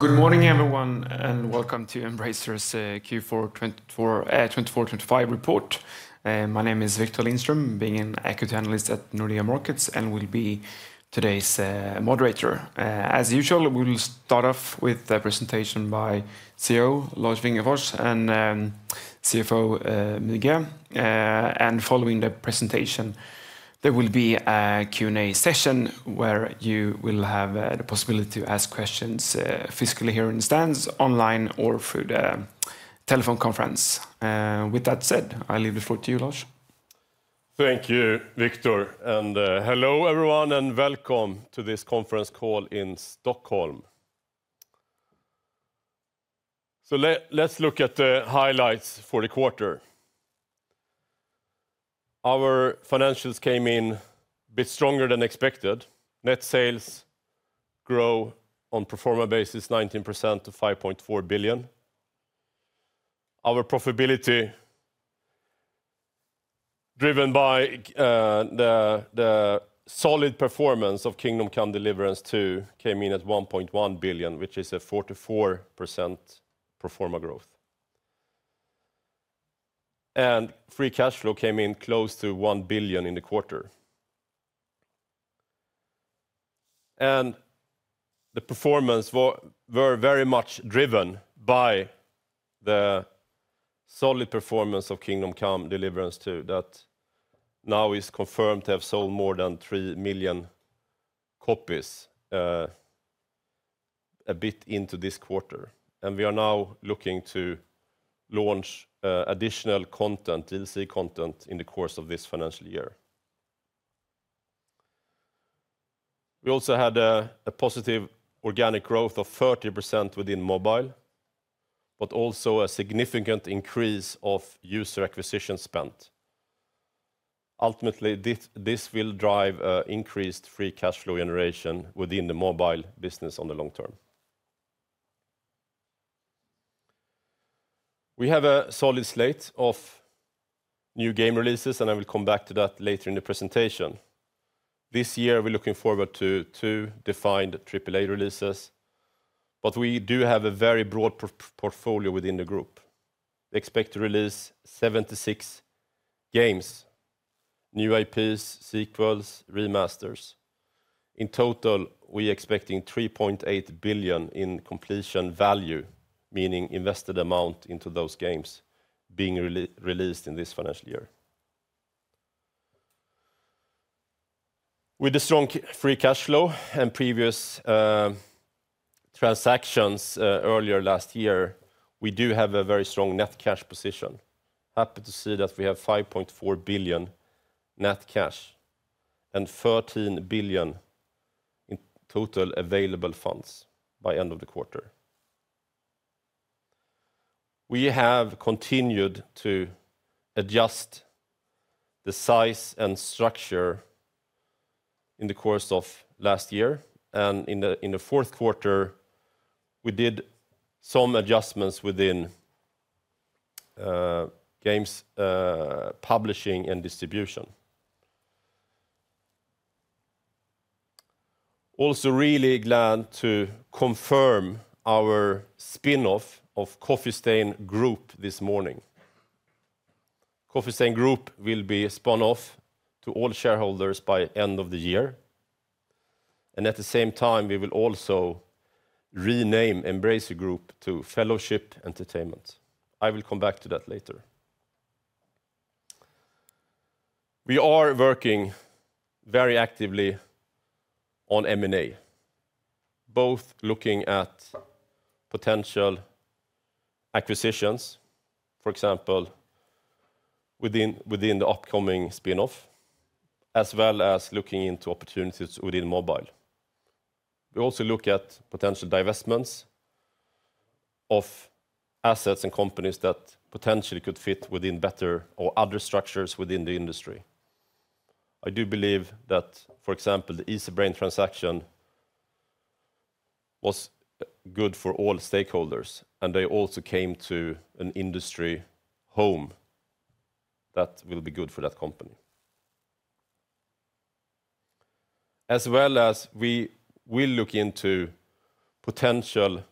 Good morning, everyone, and welcome to Embracer's Q4 2024-2025 report. My name is Viktor Lindström, being an Equity Analyst at Nordea Markets, and will be today's Moderator. As usual, we'll start off with a presentation by CEO Lars Wingefors and CFO Müge. Following the presentation, there will be a Q&A session where you will have the possibility to ask questions physically here in the stands, online, or through the telephone conference. With that said, I leave the floor to you, Lars. Thank you, Viktor. Hello, everyone, and welcome to this conference call in Stockholm. Let's look at the highlights for the quarter. Our financials came in a bit stronger than expected. Net sales grew on a pro forma basis, 19% to 5.4 billion. Our profitability, driven by the solid performance of Kingdom Come: Deliverance II, came in at 1.1 billion, which is a 44% pro forma growth. Free cash flow came in close to 1 billion in the quarter. The performance was very much driven by the solid performance of Kingdom Come: Deliverance II, that now is confirmed to have sold more than 3 million copies a bit into this quarter. We are now looking to launch additional content, DLC content, in the course of this financial year. We also had a positive organic growth of 30% within mobile, but also a significant increase of user acquisition spend. Ultimately, this will drive increased free cash flow generation within the mobile business on the long term. We have a solid slate of new game releases, and I will come back to that later in the presentation. This year, we're looking forward to two defined AAA releases. We do have a very broad portfolio within the group. We expect to release 76 games, new IPs, sequels, remasters. In total, we are expecting 3.8 billion in completion value, meaning invested amount into those games being released in this financial year. With the strong free cash flow and previous transactions earlier last year, we do have a very strong net cash position. Happy to see that we have 5.4 billion net cash and 13 billion in total available funds by the end of the quarter. We have continued to adjust the size and structure in the course of last year. In the fourth quarter, we did some adjustments within games publishing and distribution. Also, really glad to confirm our spinoff of Coffee Stain Group this morning. Coffee Stain Group will be spun off to all shareholders by the end of the year. At the same time, we will also rename Embracer Group to Fellowship Entertainment. I will come back to that later. We are working very actively on M&A, both looking at potential acquisitions, for example, within the upcoming spinoff, as well as looking into opportunities within mobile. We also look at potential divestments of assets and companies that potentially could fit within better or other structures within the industry. I do believe that, for example, the Easybrain transaction was good for all stakeholders, and they also came to an industry home that will be good for that company. As well as we will look into potential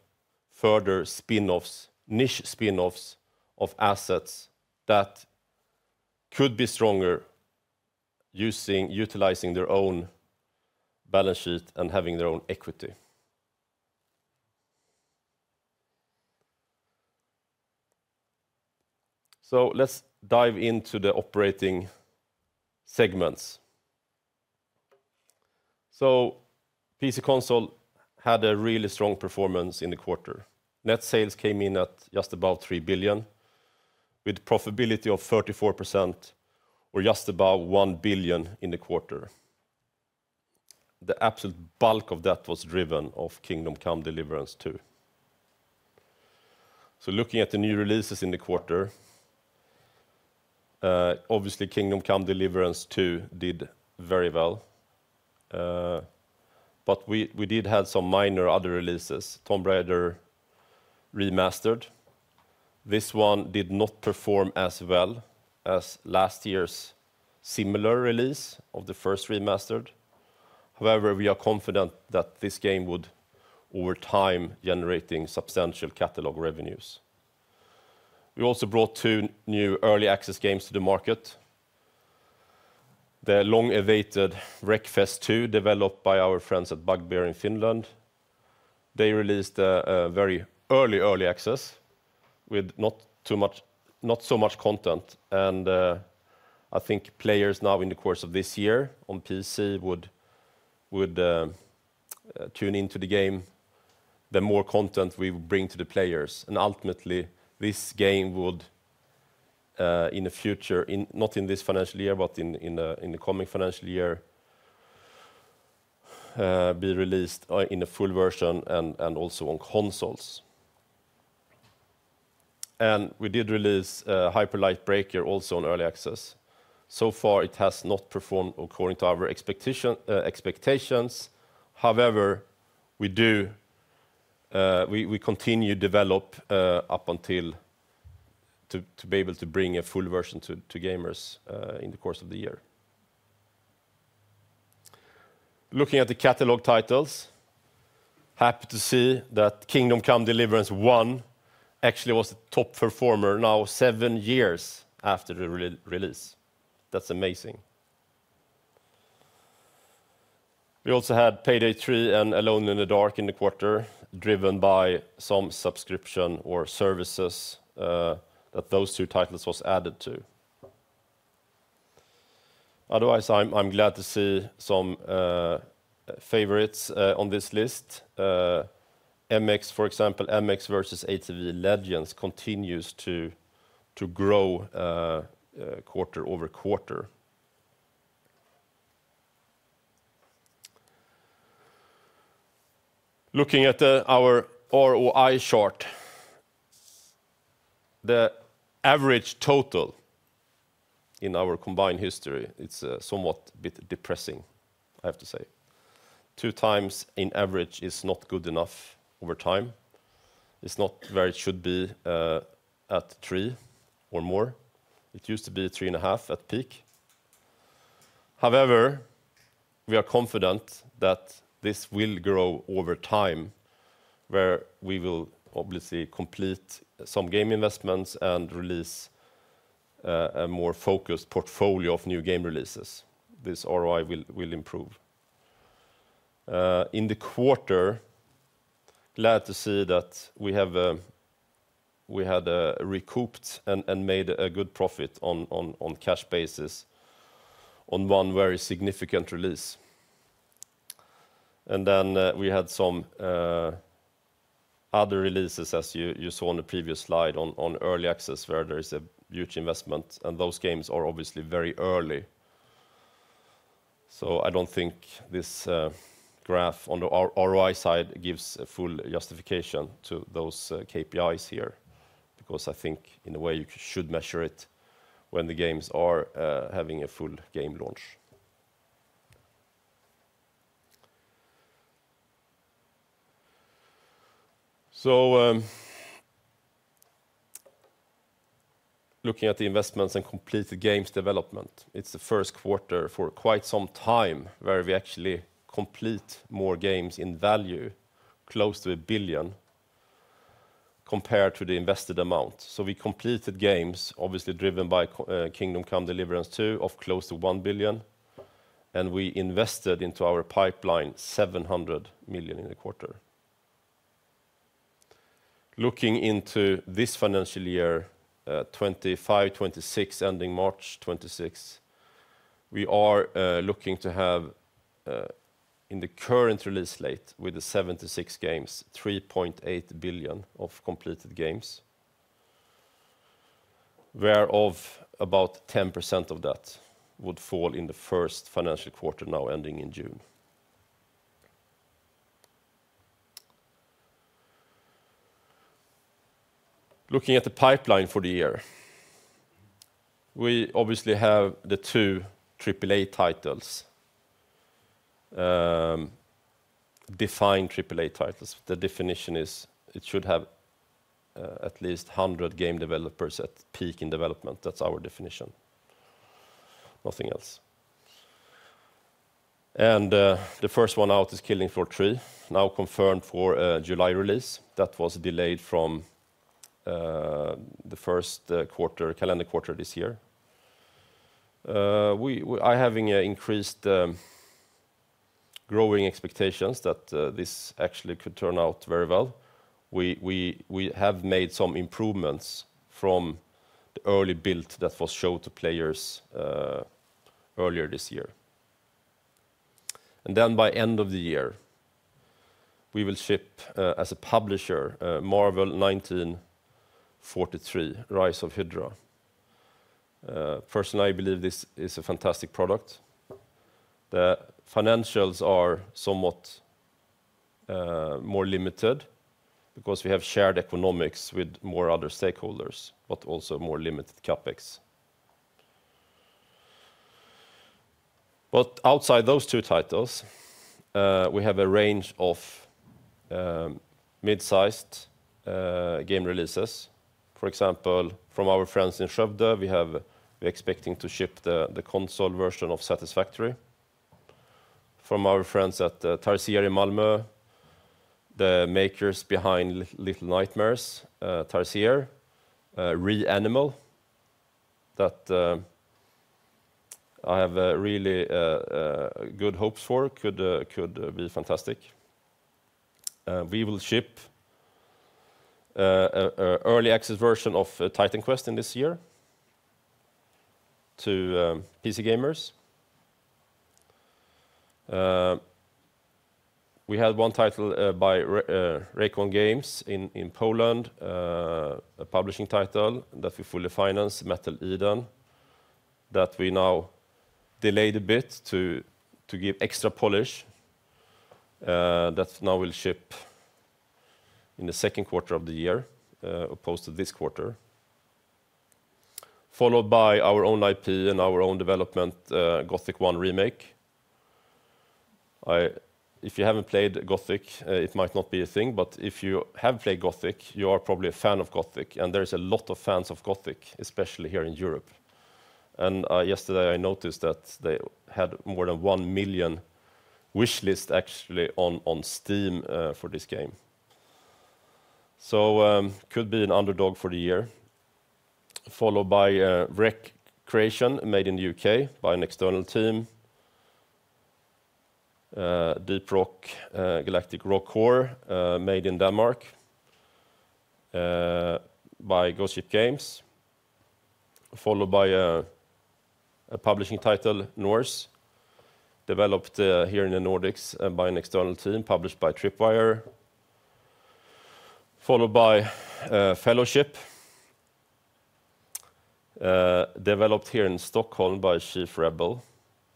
further spinoffs, niche spinoffs of assets that could be stronger utilizing their own balance sheet and having their own equity. Let's dive into the operating segments. PC/Console had a really strong performance in the quarter. Net sales came in at just above 3 billion, with a profitability of 34% or just above 1 billion in the quarter. The absolute bulk of that was driven by Kingdom Come: Deliverance II. Looking at the new releases in the quarter, obviously, Kingdom Come: Deliverance II did very well. We did have some minor other releases. Tomb Raider Remastered. This one did not perform as well as last year's similar release of the first Remastered. However, we are confident that this game would, over time, generate substantial catalog revenues. We also brought two new early access games to the market, the long-awaited Wreckfest 2, developed by our friends at Bugbear in Finland. They released a very early early access with not so much content. I think players now, in the course of this year on PC, would tune into the game the more content we bring to the players. Ultimately, this game would, in the future, not in this financial year, but in the coming financial year, be released in a full version and also on consoles. We did release Hyper Light Breaker also in early access. So far, it has not performed according to our expectations. However, we continue to develop up until to be able to bring a full version to gamers in the course of the year. Looking at the catalog titles, happy to see that Kingdom Come: Deliverance I actually was a top performer now seven years after the release. That's amazing. We also had Payday 3 and Alone in the Dark in the quarter, driven by some subscription or services that those two titles were added to. Otherwise, I'm glad to see some favorites on this list. MX, for example, MX vs. ATV Legends continues to grow quarter over quarter. Looking at our ROI chart, the average total in our combined history, it's somewhat a bit depressing, I have to say. 2x in average is not good enough over time. It's not where it should be at three or more. It used to be 3.5 at peak. However, we are confident that this will grow over time, where we will obviously complete some game investments and release a more focused portfolio of new game releases. This ROI will improve. In the quarter, glad to see that we had recouped and made a good profit on cash basis on one very significant release. Then we had some other releases, as you saw on the previous slide, on early access, where there is a huge investment. Those games are obviously very early. I do not think this graph on the ROI side gives a full justification to those KPIs here, because I think, in a way, you should measure it when the games are having a full game launch. Looking at the investments and completed games development, it's the first quarter for quite some time where we actually complete more games in value, close to 1 billion, compared to the invested amount. We completed games, obviously driven by Kingdom Come: Deliverance II, of close to 1 billion. We invested into our pipeline 700 million in the quarter. Looking into this financial year, 2025-2026, ending March 2026, we are looking to have, in the current release slate with the 76 games, 3.8 billion of completed games, whereof about 10% of that would fall in the first financial quarter now ending in June. Looking at the pipeline for the year, we obviously have the two AAA titles, defined AAA titles. The definition is it should have at least 100 game developers at peak in development. That's our definition. Nothing else. The first one out is Killing Floor 3, now confirmed for a July release. That was delayed from the first quarter, calendar quarter this year. I'm having increased growing expectations that this actually could turn out very well. We have made some improvements from the early build that was shown to players earlier this year. By the end of the year, we will ship, as a publisher, MARVEL 1943: Rise of Hydra. Personally, I believe this is a fantastic product. The financials are somewhat more limited because we have shared economics with more other stakeholders, but also more limited CapEx. Outside those two titles, we have a range of mid-sized game releases. For example, from our friends in Skövde, we are expecting to ship the console version of Satisfactory. From our friends at Tarsier in Malmö, the makers behind Little Nightmares, Tarsier, REANIMAL, that I have really good hopes for, could be fantastic. We will ship an early access version of Titan Quest in this year to PC gamers. We had one title by Requiem games in Poland, a publishing title that we fully financed, Metal Eden, that we now delayed a bit to give extra polish, that now we'll ship in the second quarter of the year, opposed to this quarter, followed by our own IP and our own development, Gothic 1 Remake. If you haven't played Gothic, it might not be a thing. If you have played Gothic, you are probably a fan of Gothic. There are a lot of fans of Gothic, especially here in Europe. Yesterday, I noticed that they had more than 1 million wish lists, actually, on Steam for this game. It could be an underdog for the year, followed by Wreckreation, made in the U.K. by an external team, Deep Rock Galactic: Rogue Core, made in Denmark by Ghost Ship Games, followed by a publishing title, NORSE, developed here in the Nordics by an external team, published by Tripwire, followed by Fellowship, developed here in Stockholm by Chief Rebel,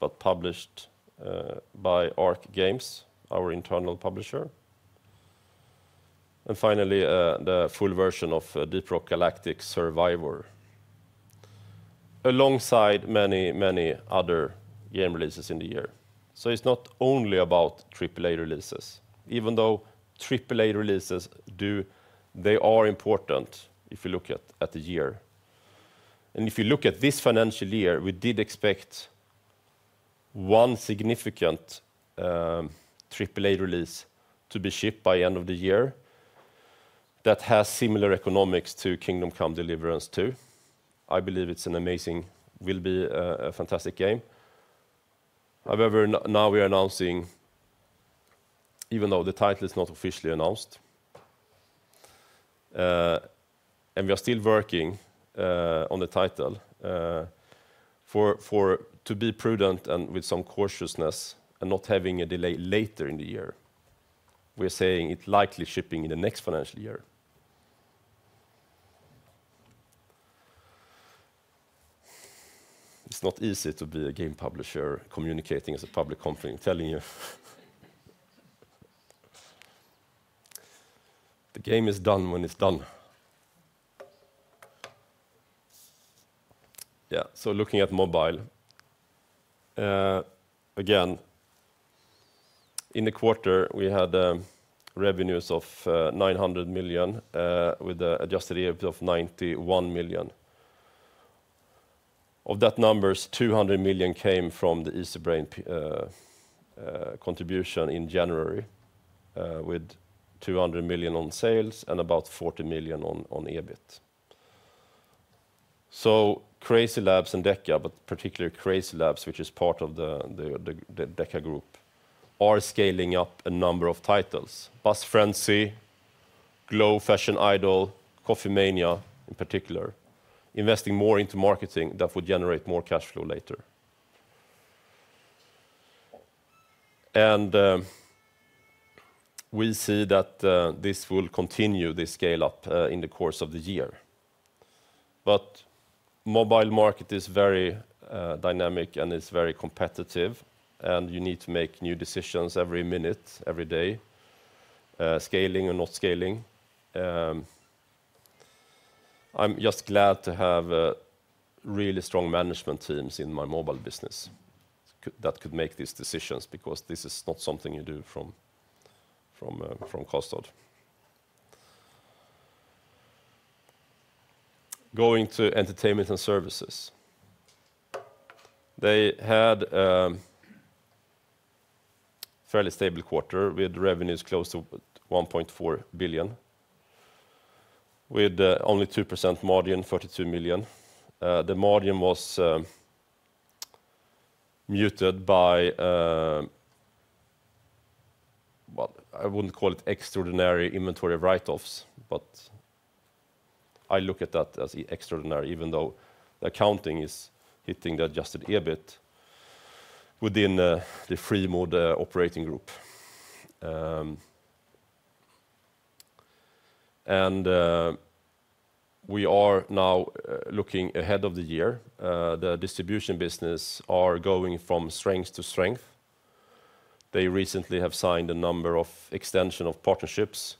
but published by Arc Games, our internal publisher. Finally, the full version of Deep Rock Galactic: Survivor, alongside many, many other game releases in the year. It is not only about AAA releases. Even though AAA releases, they are important if you look at the year. If you look at this financial year, we did expect one significant AAA release to be shipped by the end of the year that has similar economics to Kingdom Come: Deliverance II. I believe it is an amazing, will be a fantastic game. However, now we are announcing, even though the title is not officially announced, and we are still working on the title, to be prudent and with some cautiousness and not having a delay later in the year, we are saying it is likely shipping in the next financial year. It is not easy to be a game publisher communicating as a public company, telling you the game is done when it is done. Yeah, looking at mobile, again, in the quarter, we had revenues of 900 million with an adjusted EBIT of 91 million. Of that number, 200 million came from the Easybrain contribution in January, with 200 million on sales and about 40 million on EBIT. CrazyLabs and DECA, but particularly CrazyLabs, which is part of the DECA group, are scaling up a number of titles: Bus Frenzy, Glow Fashion Idol, Coffee Mania in particular, investing more into marketing that would generate more cash flow later. We see that this will continue, this scale-up in the course of the year. The mobile market is very dynamic and is very competitive. You need to make new decisions every minute, every day, scaling or not scaling. I'm just glad to have really strong management teams in my mobile business that could make these decisions, because this is not something you do from cost. Going to entertainment and services, they had a fairly stable quarter with revenues close to 1.4 billion, with only 2% margin, 32 million. The margin was muted by, well, I would not call it extraordinary inventory write-offs, but I look at that as extraordinary, even though the accounting is hitting the adjusted EBIT within the Freemode Operating Group. We are now looking ahead of the year. The distribution business is going from strength to strength. They recently have signed a number of extensions of partnerships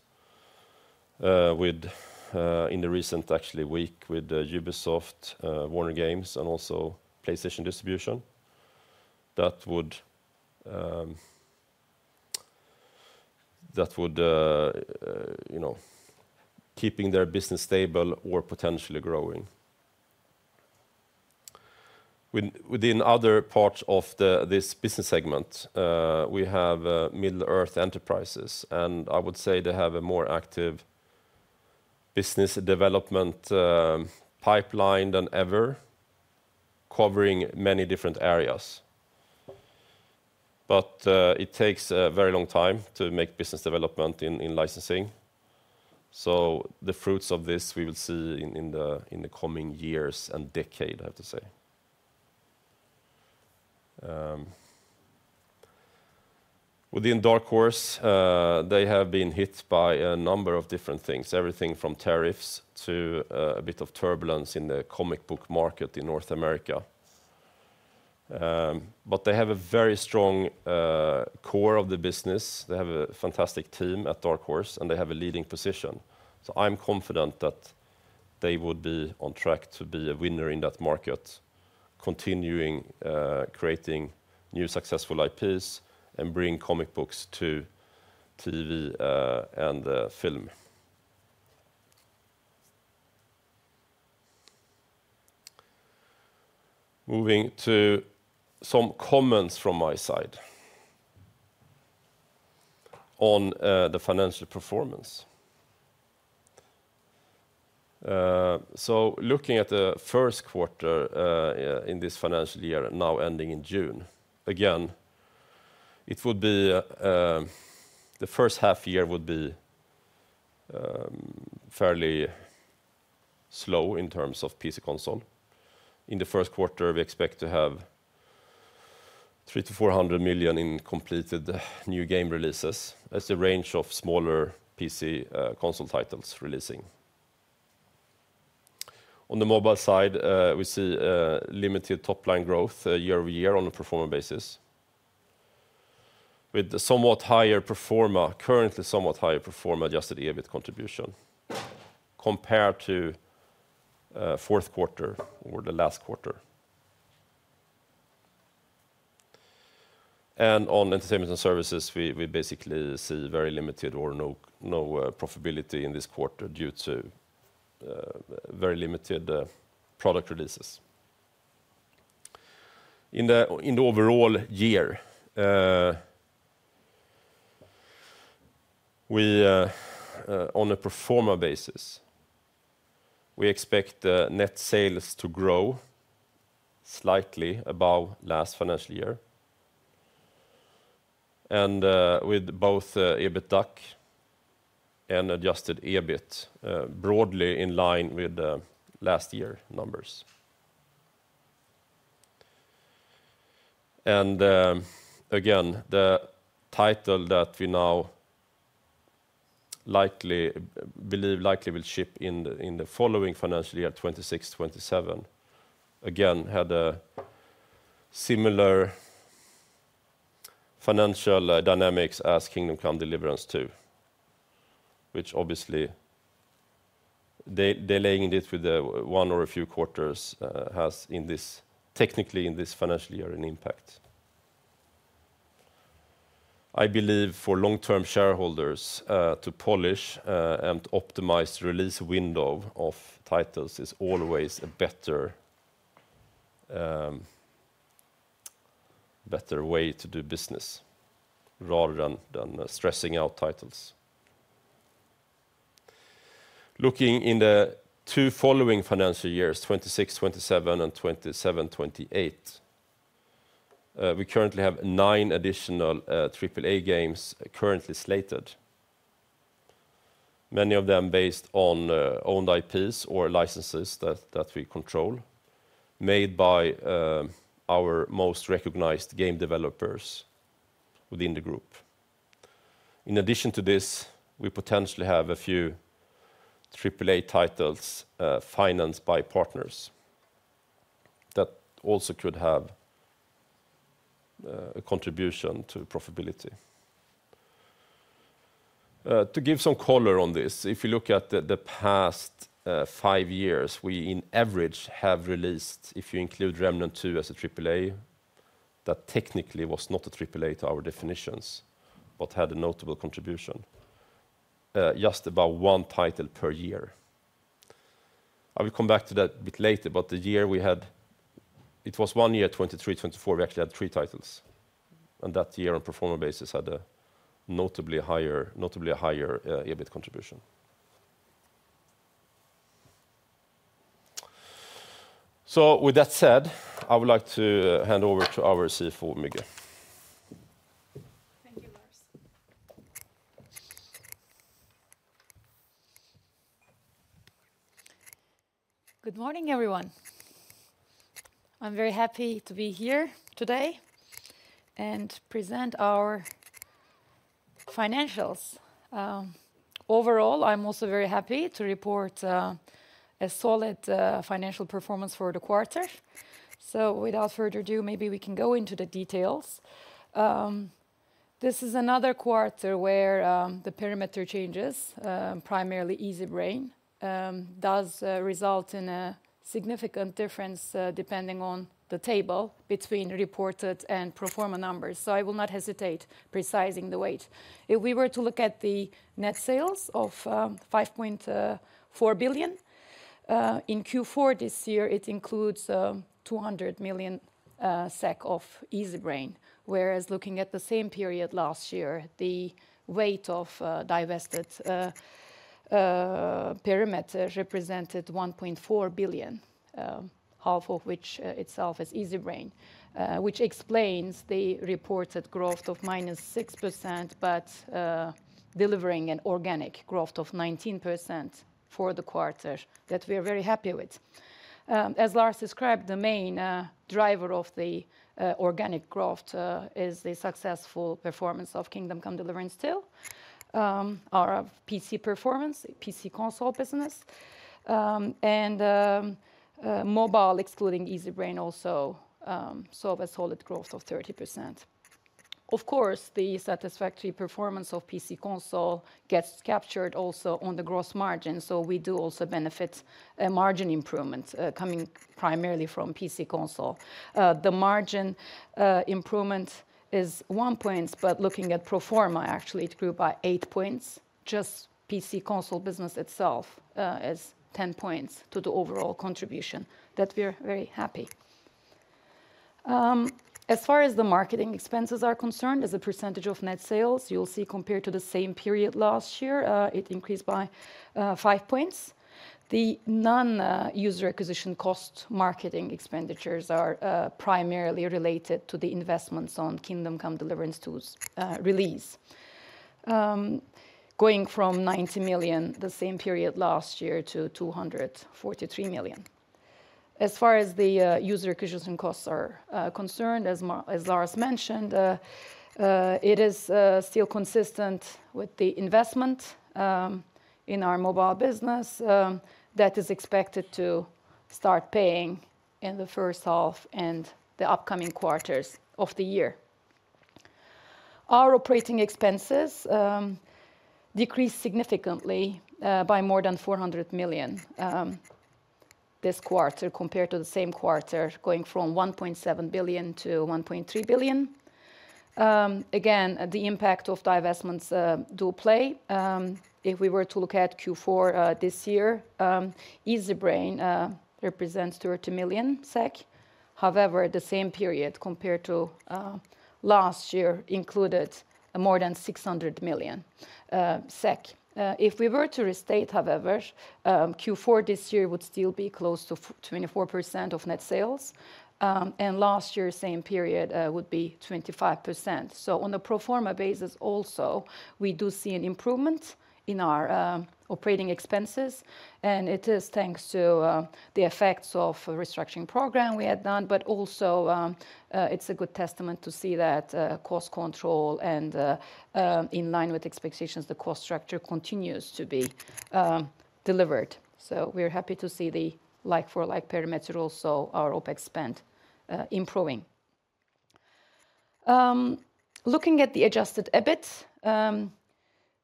in the recent, actually, week with Ubisoft, Warner Bros. Games, and also PlayStation distribution. That would, you know, keep their business stable or potentially growing. Within other parts of this business segment, we have Middle-earth Enterprises. I would say they have a more active business development pipeline than ever, covering many different areas. It takes a very long time to make business development in licensing. The fruits of this we will see in the coming years and decade, I have to say. Within Dark Horse, they have been hit by a number of different things, everything from tariffs to a bit of turbulence in the comic book market in North America. They have a very strong core of the business. They have a fantastic team at Dark Horse, and they have a leading position. I'm confident that they would be on track to be a winner in that market, continuing creating new successful IPs and bringing comic books to TV and film. Moving to some comments from my side on the financial performance. Looking at the first quarter in this financial year, now ending in June, again, it would be the first half year would be fairly slow in terms of PC/Console. In the first quarter, we expect to have 300 million-400 million in completed new game releases, as the range of smaller PC/Console titles releasing. On the mobile side, we see limited top-line growth year over year on a performance basis, with somewhat higher pro forma, currently somewhat higher pro forma, adjusted EBIT contribution, compared to fourth quarter or the last quarter. On entertainment and services, we basically see very limited or no profitability in this quarter due to very limited product releases. In the overall year, on a pro forma basis, we expect net sales to grow slightly above last financial year, and with both EBITDA and adjusted EBIT broadly in line with last year's numbers. The title that we now believe likely will ship in the following financial year, 2026-2027, had similar financial dynamics as Kingdom Come: Deliverance II, which obviously delaying it with one or a few quarters has, technically, in this financial year, an impact. I believe for long-term shareholders to polish and optimize the release window of titles is always a better way to do business rather than stressing out titles. Looking in the two following financial years, 2026-2027 and 2027-2028, we currently have nine additional AAA games currently slated, many of them based on owned IPs or licenses that we control, made by our most recognized game developers within the group. In addition to this, we potentially have a few AAA titles financed by partners that also could have a contribution to profitability. To give some color on this, if you look at the past five years, we in average have released, if you include Remnant 2 as a AAA, that technically was not a AAA to our definitions, but had a notable contribution, just about one title per year. I will come back to that a bit later. The year we had, it was one year, 2023-2024, we actually had three titles. That year, on a pro forma basis, had a notably higher EBIT contribution. With that said, I would like to hand over to our CFO, Müge. Thank you, Lars. Good morning, everyone. I'm very happy to be here today and present our financials. Overall, I'm also very happy to report a solid financial performance for the quarter. Without further ado, maybe we can go into the details. This is another quarter where the perimeter changes, primarily Easybrain, does result in a significant difference, depending on the table, between reported and pro forma numbers. I will not hesitate precising the weight. If we were to look at the net sales of 5.4 billion in Q4 this year, it includes 200 million SEK of Easybrain. Whereas looking at the same period last year, the weight of divested perimeter represented 1.4 billion, half of which itself is Easybrain, which explains the reported growth of -6%, but delivering an organic growth of 19% for the quarter that we are very happy with. As Lars described, the main driver of the organic growth is the successful performance of Kingdom Come: Deliverance II, our PC performance, PC/Console business, and mobile, excluding Easybrain, also saw a solid growth of 30%. Of course, the satisfactory performance of PC/Console gets captured also on the gross margin. We do also benefit a margin improvement coming primarily from PC/Console. The margin improvement is one point. Looking at pro forma, actually, it grew by eight points. Just PC/Console business itself is 10 points to the overall contribution. That we are very happy. As far as the marketing expenses are concerned, as a percentage of net sales, you'll see compared to the same period last year, it increased by five points. The non-user acquisition cost marketing expenditures are primarily related to the investments on Kingdom Come: Deliverance II's release, going from 90 million the same period last year to 243 million. As far as the user acquisition costs are concerned, as Lars mentioned, it is still consistent with the investment in our mobile business that is expected to start paying in the first half and the upcoming quarters of the year. Our operating expenses decreased significantly by more than 400 million this quarter compared to the same quarter, going from 1.7 billion to 1.3 billion. Again, the impact of divestments do play. If we were to look at Q4 this year, Easybrain represents 30 million SEK. However, the same period compared to last year included more than 600 million SEK. If we were to restate, however, Q4 this year would still be close to 24% of net sales. Last year, same period would be 25%. On a pro forma basis, also, we do see an improvement in our operating expenses. It is thanks to the effects of the restructuring program we had done. It is a good testament to see that cost control and, in line with expectations, the cost structure continues to be delivered. We are happy to see the like-for-like perimeter also, our OpEx spend, improving. Looking at the adjusted EBIT,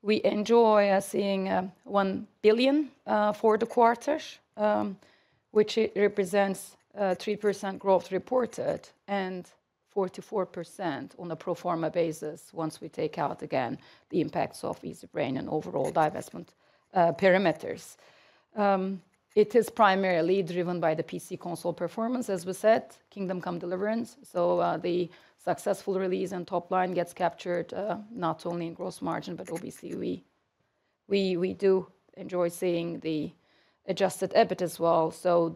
we enjoy seeing 1 billion for the quarter, which represents 3% growth reported and 44% on a pro forma basis once we take out, again, the impacts of Easybrain and overall divestment perimeters. It is primarily driven by the PC/Console performance, as we said, Kingdom Come: Deliverance. The successful release and top line gets captured not only in gross margin, but obviously, we do enjoy seeing the adjusted EBIT as well.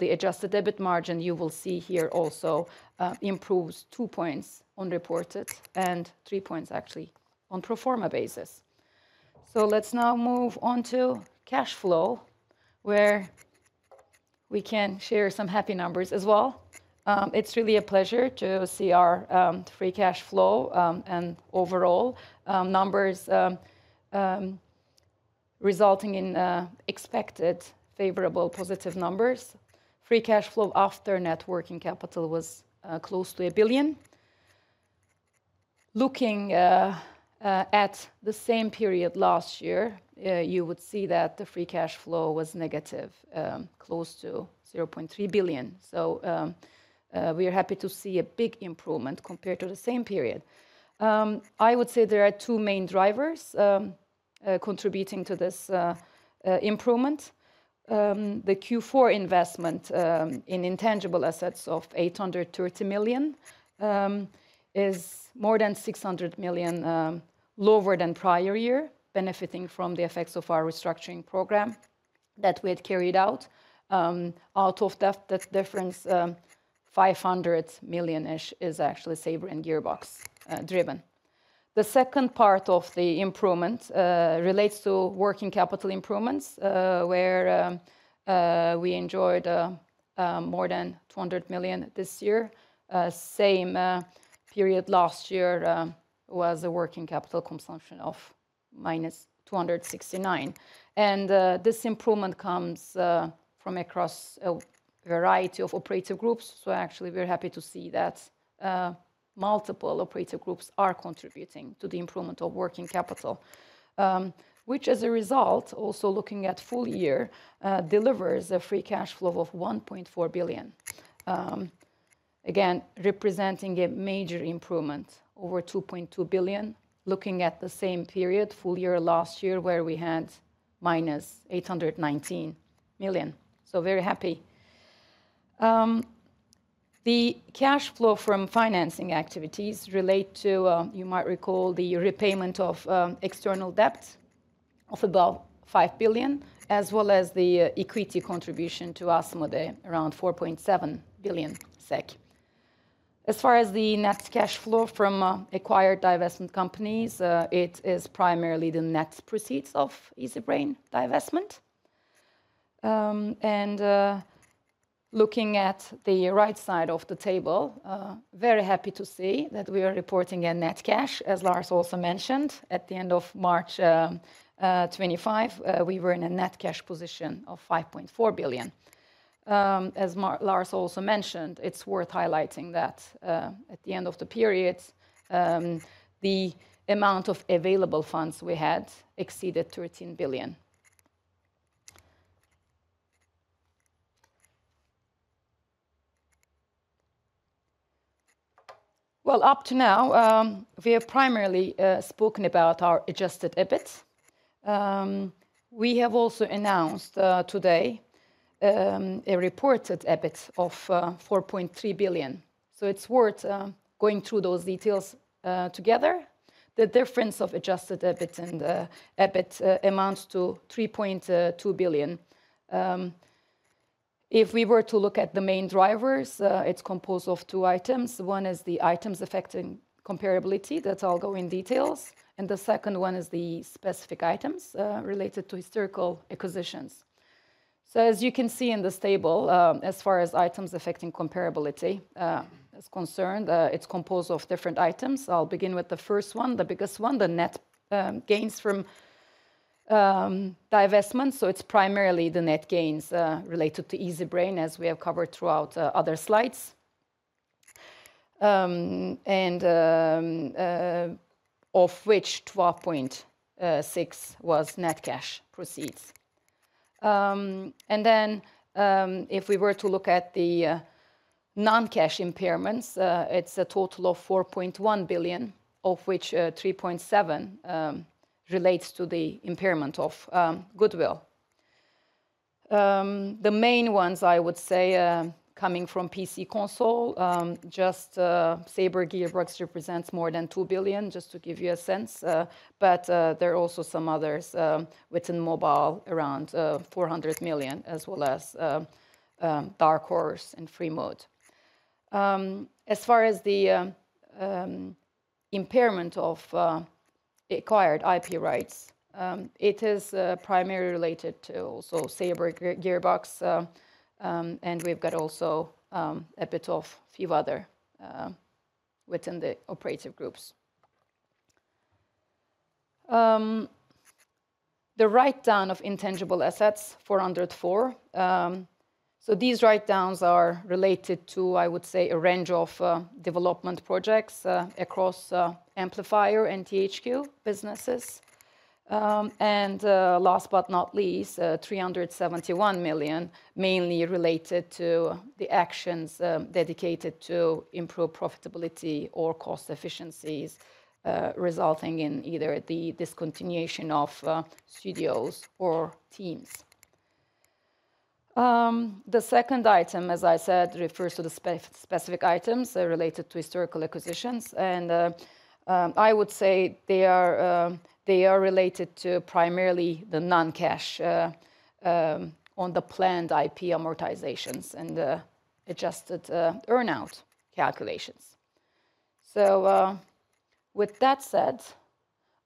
The adjusted EBIT margin you will see here also improves two percentage points on reported and three points, actually, on a pro forma basis. Let's now move on to cash flow, where we can share some happy numbers as well. It's really a pleasure to see our free cash flow and overall numbers resulting in expected favorable positive numbers. Free cash flow after net working capital was close to 1 billion. Looking at the same period last year, you would see that the free cash flow was negative, close to 0.3 billion. We are happy to see a big improvement compared to the same period. I would say there are two main drivers contributing to this improvement. The Q4 investment in intangible assets of 830 million is more than 600 million lower than prior year, benefiting from the effects of our restructuring program that we had carried out. Out of that difference, 500 million-ish is actually saved and Gearbox-driven. The second part of the improvement relates to working capital improvements, where we enjoyed more than 200 million this year. Same period last year was a working capital consumption of -269. This improvement comes from across a variety of operator groups. Actually, we're happy to see that multiple operator groups are contributing to the improvement of working capital, which, as a result, also looking at full year, delivers a free cash flow of 1.4 billion, again, representing a major improvement over 2.2 billion, looking at the same period, full year last year, where we had -819 million. Very happy. The cash flow from financing activities relates to, you might recall, the repayment of external debt of about 5 billion, as well as the equity contribution to Asmodee, around 4.7 billion SEK. As far as the net cash flow from acquired divestment companies, it is primarily the net proceeds of the Easybrain divestment. Looking at the right side of the table, very happy to see that we are reporting a net cash. As Lars also mentioned, at the end of March 2025, we were in a net cash position of 5.4 billion. As Lars also mentioned, it is worth highlighting that at the end of the period, the amount of available funds we had exceeded 13 billion. Up to now, we have primarily spoken about our adjusted EBIT. We have also announced today a reported EBIT of 4.3 billion. It is worth going through those details together. The difference of adjusted EBIT and EBIT amounts to 3.2 billion. If we were to look at the main drivers, it is composed of two items. One is the items affecting comparability. I'll go in details. The second one is the specific items related to historical acquisitions. As you can see in this table, as far as items affecting comparability is concerned, it is composed of different items. I'll begin with the first one, the biggest one, the net gains from divestments. It is primarily the net gains related to Easybrain, as we have covered throughout other slides, and of which 12.6 billion was net cash proceeds. If we were to look at the non-cash impairments, it is a total of 4.1 billion, of which 3.7 billion relates to the impairment of goodwill. The main ones, I would say, coming from PC/Console, just Saber, Gearbox represents more than 2 billion, just to give you a sense. There are also some others within mobile around 400 million, as well as Dark Horse and Freemode. As far as the impairment of acquired IP rights, it is primarily related to also Saber, Gearbox. We've got also EBIT of a few other within the operator groups. The write-down of intangible assets, 404. These write-downs are related to, I would say, a range of development projects across Amplifier and THQ businesses. Last but not least, 371 million, mainly related to the actions dedicated to improve profitability or cost efficiencies, resulting in either the discontinuation of studios or teams. The second item, as I said, refers to the specific items related to historical acquisitions. I would say they are related to primarily the non-cash on the planned IP amortizations and adjusted earnout calculations. With that said,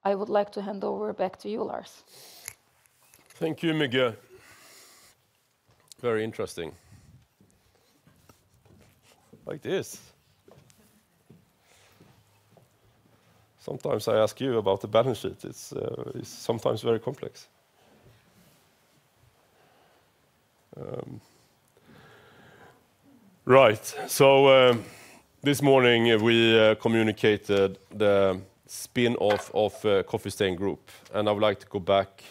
I would like to hand over back to you, Lars. Thank you, Müge. Very interesting. Like this. Sometimes I ask you about the balance sheet. It's sometimes very complex. Right. This morning, we communicated the spin-off of Coffee Stain Group. I would like to go back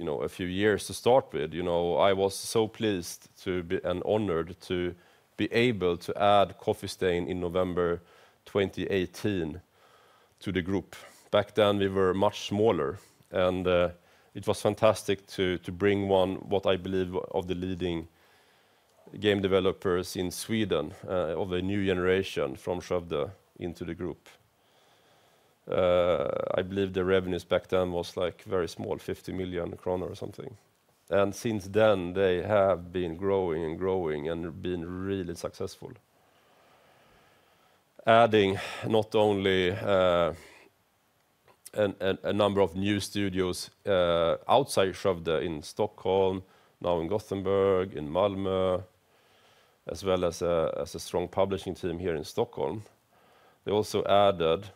a few years to start with. I was so pleased and honored to be able to add Coffee Stain in November 2018 to the group. Back then, we were much smaller. It was fantastic to bring one, what I believe, of the leading game developers in Sweden, of a new generation from Skövde, into the group. I believe the revenues back then was very small, 50 million kronor or something. Since then, they have been growing and growing and been really successful, adding not only a number of new studios outside Skövde in Stockholm, now in Gothenburg, in Malmö, as well as a strong publishing team here in Stockholm. They also added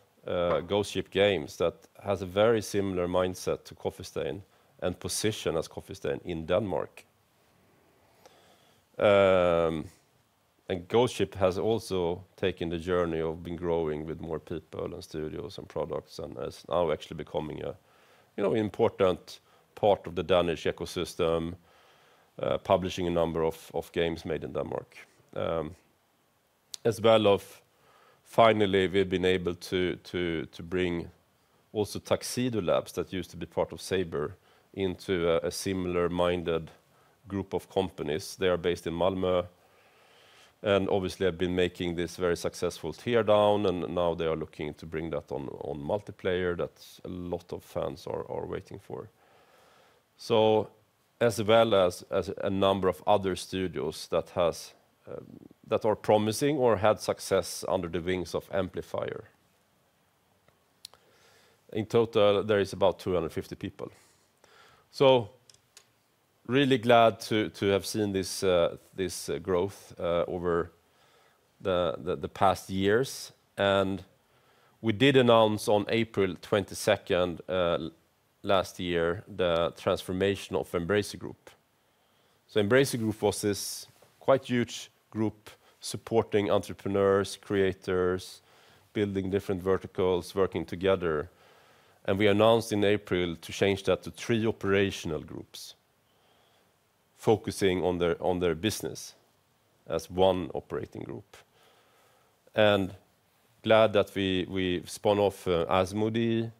Ghost Ship Games, that has a very similar mindset to Coffee Stain and position as Coffee Stain in Denmark. Ghost Ship has also taken the journey of being growing with more people and studios and products and is now actually becoming an important part of the Danish ecosystem, publishing a number of games made in Denmark, as well as finally, we've been able to bring also Tuxedo Labs, that used to be part of Saber, into a similar-minded group of companies. They are based in Malmö. Obviously, they have been making this very successful Teardown. Now they are looking to bring that on multiplayer. That is a lot of fans are waiting for. As well as a number of other studios that are promising or had success under the wings of Amplifier. In total, there is about 250 people. Really glad to have seen this growth over the past years. We did announce on April 22nd last year the transformation of Embracer Group. Embracer Group was this quite huge group supporting entrepreneurs, creators, building different verticals, working together. We announced in April to change that to three operational groups, focusing on their business as one operating group. Glad that we spun off Asmodee.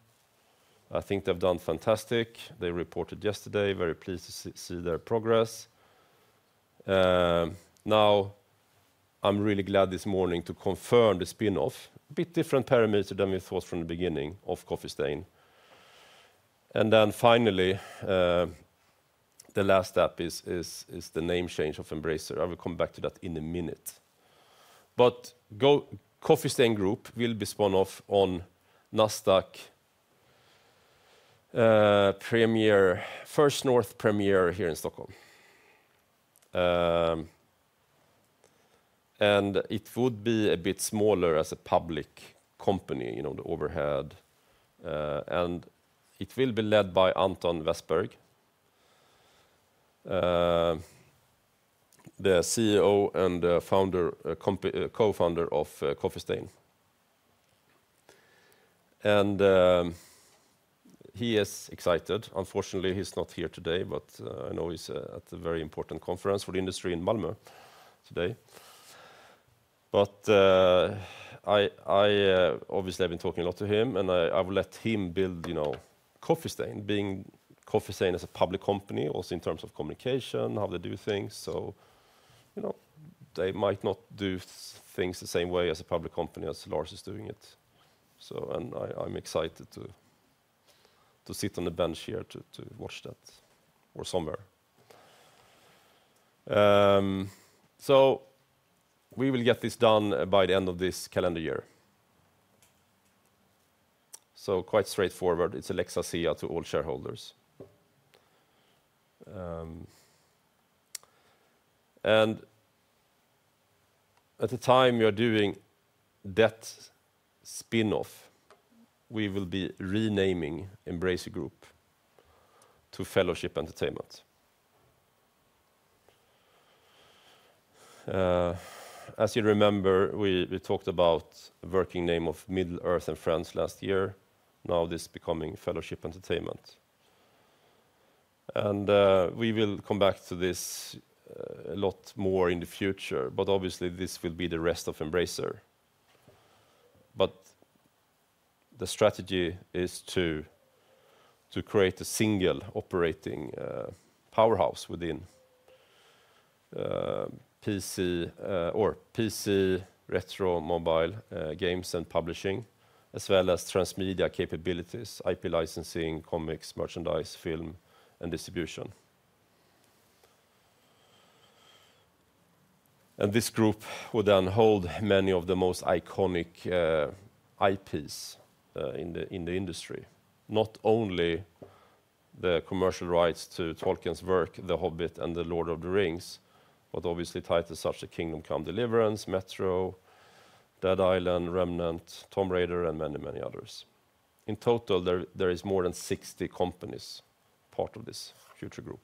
I think they've done fantastic. They reported yesterday. Very pleased to see their progress. Now, I'm really glad this morning to confirm the spin-off, a bit different parameter than we thought from the beginning, of Coffee Stain. Finally, the last step is the name change of Embracer. I will come back to that in a minute. Coffee Stain Group will be spun off on Nasdaq First North Premier here in Stockholm. It would be a bit smaller as a public company, the overhead. It will be led by Anton Westbergh, the CEO and co-founder of Coffee Stain. He is excited. Unfortunately, he is not here today, but I know he is at a very important conference for the industry in Malmö today. I obviously have been talking a lot to him. I will let him build Coffee Stain, being Coffee Stain as a public company, also in terms of communication, how they do things. They might not do things the same way as a public company as Lars is doing it. I am excited to sit on the bench here to watch that or somewhere. We will get this done by the end of this calendar year. Quite straightforward. It is a Laxasia to all shareholders. At the time we are doing that spin-off, we will be renaming Embracer Group to Fellowship Entertainment. As you remember, we talked about the working name of Middle Earth & Friends last year. Now this is becoming Fellowship Entertainment. We will come back to this a lot more in the future. Obviously, this will be the rest of Embracer. The strategy is to create a single operating powerhouse within PC or PC retro mobile games and publishing, as well as transmedia capabilities, IP licensing, comics, merchandise, film, and distribution. This group will then hold many of the most iconic IPs in the industry, not only the commercial rights to Tolkien's work, The Hobbit, and The Lord of the Rings, but obviously titles such as Kingdom Come: Deliverance, Metro, Dead Island, Remnant, Tomb Raider, and many, many others. In total, there are more than 60 companies part of this future group.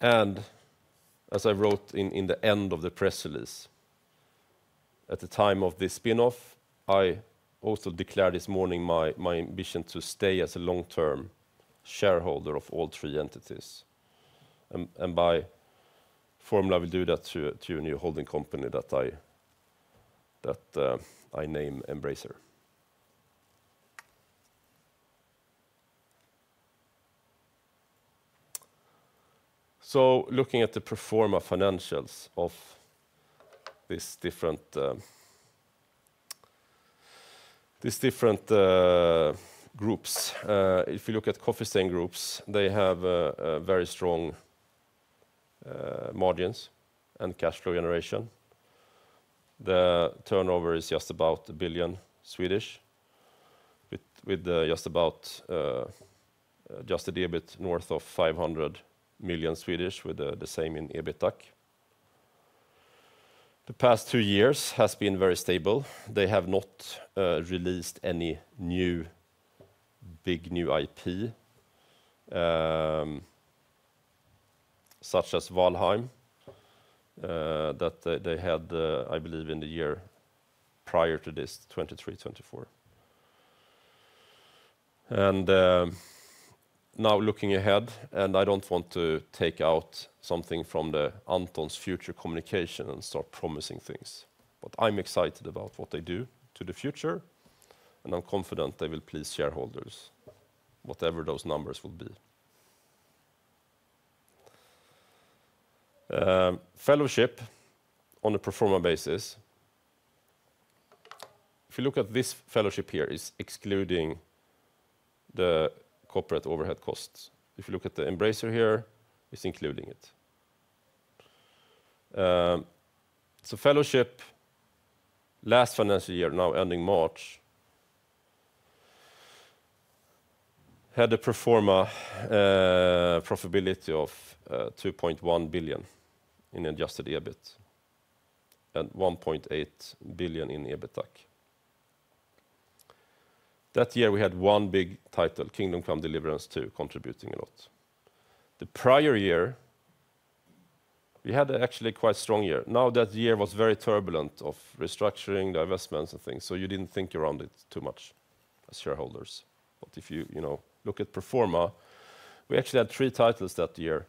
As I wrote in the end of the press release, at the time of this spin-off, I also declared this morning my ambition to stay as a long-term shareholder of all three entities. By formula, I will do that to a new holding company that I name Embracer. Looking at the pro forma financials of these different groups, if you look at Coffee Stain Group, they have very strong margins and cash flow generation. The turnover is just about 1 billion, with just a debit north of 500 million, with the same in EBITDA. The past two years have been very stable. They have not released any new big new IP, such as Valheim that they had, I believe, in the year prior to this, 2023, 2024. Now looking ahead, and I do not want to take out something from Anton's future communication and start promising things. I am excited about what they do to the future. I am confident they will please shareholders, whatever those numbers will be. Fellowship on a pro forma basis, if you look at this Fellowship here, it is excluding the corporate overhead costs. If you look at the Embracer here, it is including it. So Fellowship, last financial year, now ending March, had a pro forma profitability of 2.1 billion in adjusted EBIT and 1.8 billion in EBITDA. That year, we had one big title, Kingdom Come: Deliverance II, contributing a lot. The prior year, we had actually a quite strong year. That year was very turbulent of restructuring, divestments, and things. You did not think around it too much as shareholders. If you look at pro forma, we actually had three titles that year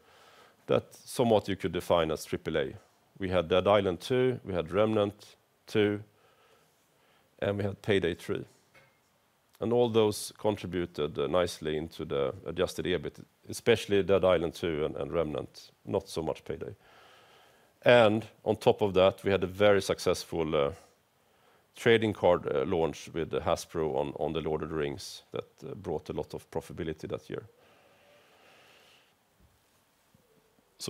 that somewhat you could define as AAA. We had Dead Island 2. We had Remnant 2. And we had Payday 3. All those contributed nicely into the adjusted EBIT, especially Dead Island 2 and Remnant, not so much Payday. On top of that, we had a very successful trading card launch with Hasbro on The Lord of the Rings that brought a lot of profitability that year.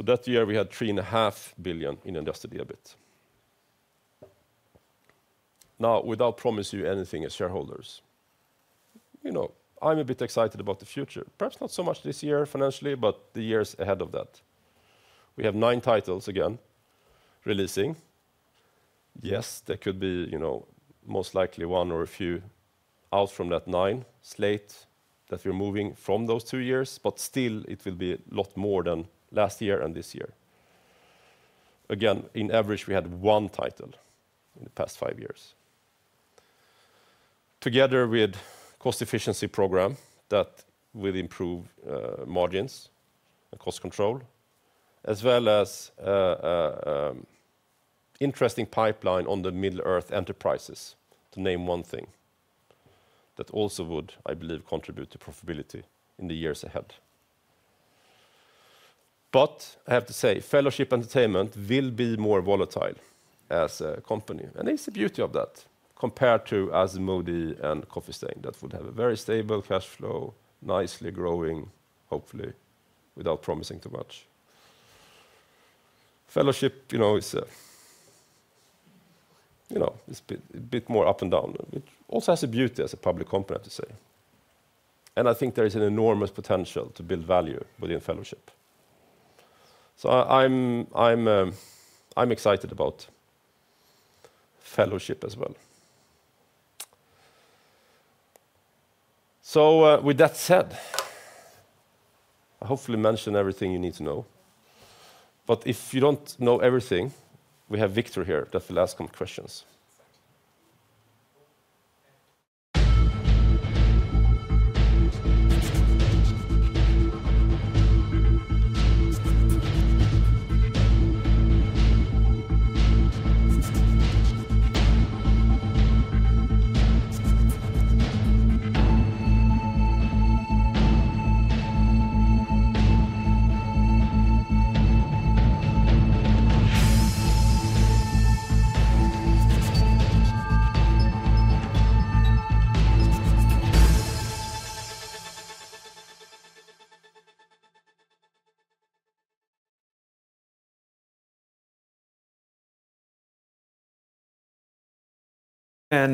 That year, we had 3.5 billion in adjusted EBIT. Now, without promising you anything as shareholders, I'm a bit excited about the future. Perhaps not so much this year financially, but the years ahead of that. We have nine titles again releasing. Yes, there could be most likely one or a few out from that nine slate that we're moving from those two years. Still, it will be a lot more than last year and this year. Again, in average, we had one title in the past five years, together with a cost efficiency program that will improve margins and cost control, as well as an interesting pipeline on the Middle-earth Enterprises, to name one thing, that also would, I believe, contribute to profitability in the years ahead. I have to say, Fellowship Entertainment will be more volatile as a company. It's the beauty of that compared to Asmodee and Coffee Stain. That would have a very stable cash flow, nicely growing, hopefully, without promising too much. Fellowship is a bit more up and down. It also has a beauty as a public company, I have to say. I think there is an enormous potential to build value within Fellowship. I'm excited about Fellowship as well. With that said, I hopefully mentioned everything you need to know. If you do not know everything, we have Viktor here. That is the last couple of questions.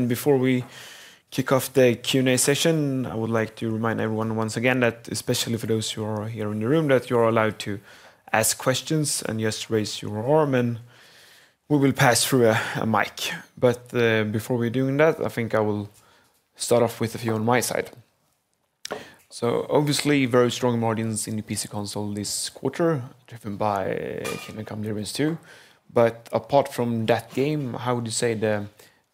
Before we kick off the Q&A session, I would like to remind everyone once again, especially for those who are here in the room, that you are allowed to ask questions and just raise your arm. We will pass through a mic. Before we do that, I think I will start off with a few on my side. Obviously, very strong margins in the PC/Console this quarter, driven by Kingdom Come: Deliverance II. Apart from that game, how would you say the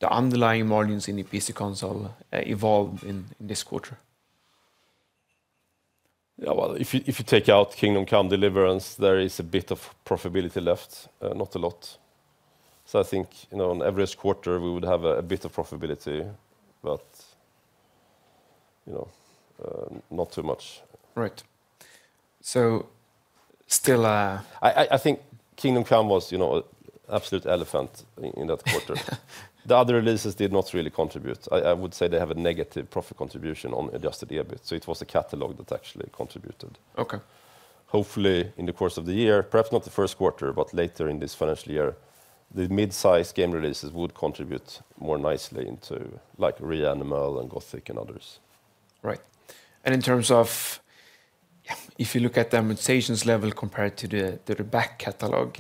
underlying margins in the PC/Console evolved in this quarter? Yeah, if you take out Kingdom Come: Deliverance, there is a bit of profitability left, not a lot. I think on average quarter, we would have a bit of profitability, but not too much. Right. Still, I think Kingdom Come was an absolute elephant in that quarter. The other releases did not really contribute. I would say they have a negative profit contribution on adjusted EBIT. It was a catalog that actually contributed. Hopefully, in the course of the year, perhaps not the first quarter, but later in this financial year, the mid-size game releases would contribute more nicely into REANIMAL and Gothic and others. Right. In terms of, if you look at the amortization level compared to the back catalog,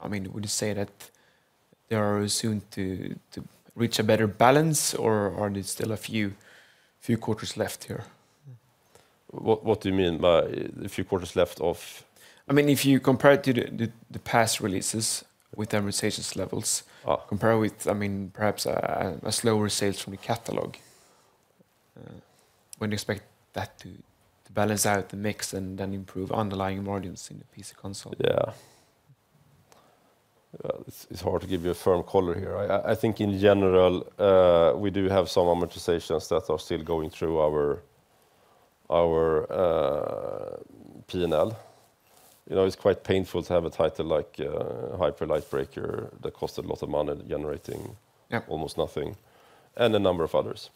I mean, would you say that they are soon to reach a better balance, or are there still a few quarters left here? What do you mean by a few quarters left of? I mean, if you compare it to the past releases with amortization levels, compare with, I mean, perhaps a slower sales from the catalog, when you expect that to balance out the mix and then improve underlying margins in the PC/Console. Yeah. It's hard to give you a firm color here. I think in general, we do have some amortizations that are still going through our P&L. It's quite painful to have a title like Hyper Light Breaker that cost a lot of money generating almost nothing, and a number of others.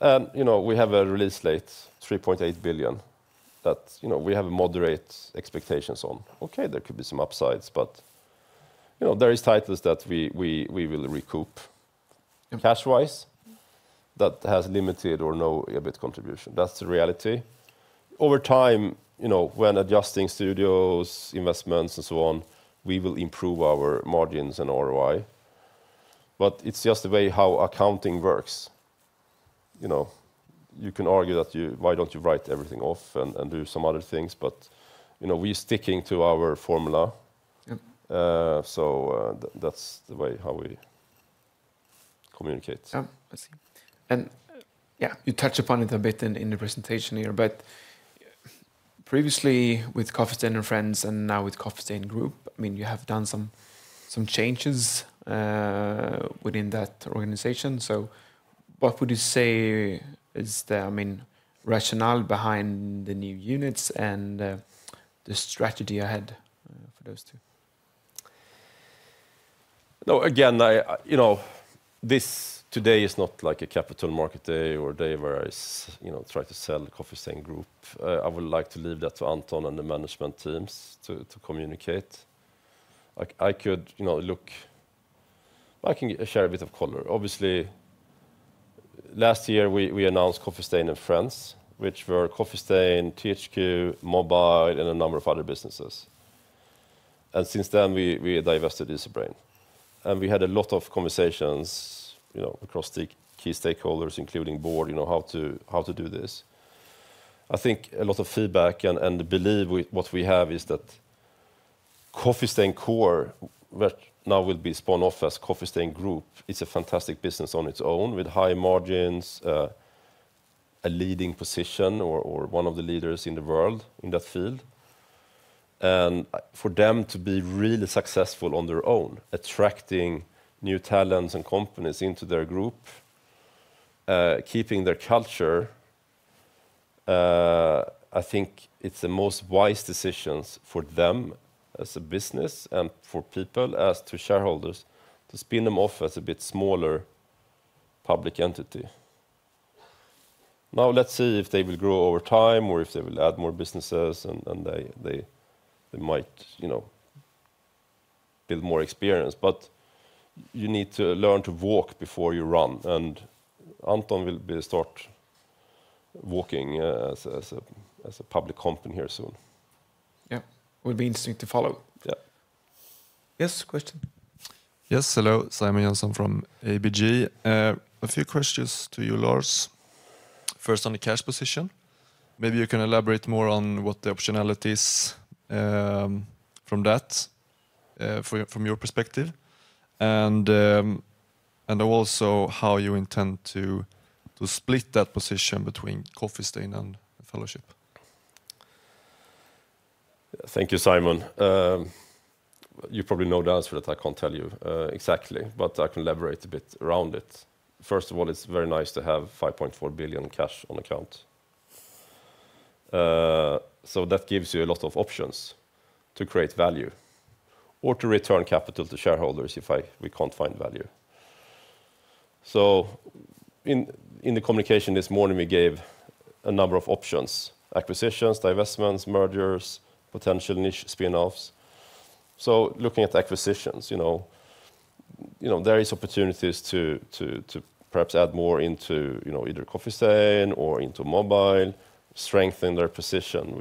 We have a release slate of 3.8 billion that we have moderate expectations on. Okay, there could be some upsides, but there are titles that we will recoup cash-wise that have limited or no EBIT contribution. That's the reality. Over time, when adjusting studios, investments, and so on, we will improve our margins and ROI. But it's just the way how accounting works. You can argue that why don't you write everything off and do some other things. We're sticking to our formula. That's the way how we communicate. I see. Yeah, you touched upon it a bit in the presentation here. Previously, with Coffee Stain & Friends and now with Coffee Stain Group, I mean, you have done some changes within that organization. What would you say is the rationale behind the new units and the strategy ahead for those two? No, again, this today is not like a capital market day or day where I try to sell Coffee Stain Group. I would like to leave that to Anton and the management teams to communicate. I could look. I can share a bit of color. Obviously, last year, we announced Coffee Stain & Friends, which were Coffee Stain, THQ, Mobile, and a number of other businesses. Since then, we divested Easybrain. We had a lot of conversations across the key stakeholders, including board, how to do this. I think a lot of feedback and the belief with what we have is that Coffee Stain core, which now will be spun off as Coffee Stain Group, is a fantastic business on its own with high margins, a leading position or one of the leaders in the world in that field. For them to be really successful on their own, attracting new talents and companies into their group, keeping their culture, I think it's the most wise decisions for them as a business and for people as to shareholders to spin them off as a bit smaller public entity. Now, let's see if they will grow over time or if they will add more businesses and they might build more experience. You need to learn to walk before you run. Anton will start walking as a public company here soon. It will be interesting to follow. Yes, question. Yes, hello. Simon Jönsson from ABG. A few questions to you, Lars. First, on the cash position, maybe you can elaborate more on what the optionalities from that from your perspective, and also how you intend to split that position between Coffee Stain and Fellowship. Thank you, Simon. You probably know the answer that I can't tell you exactly, but I can elaborate a bit around it. First of all, it's very nice to have 5.4 billion cash on account. That gives you a lot of options to create value or to return capital to shareholders if we cannot find value. In the communication this morning, we gave a number of options: acquisitions, divestments, mergers, potential niche spin-offs. Looking at acquisitions, there are opportunities to perhaps add more into either Coffee Stain or into Mobile, strengthen their position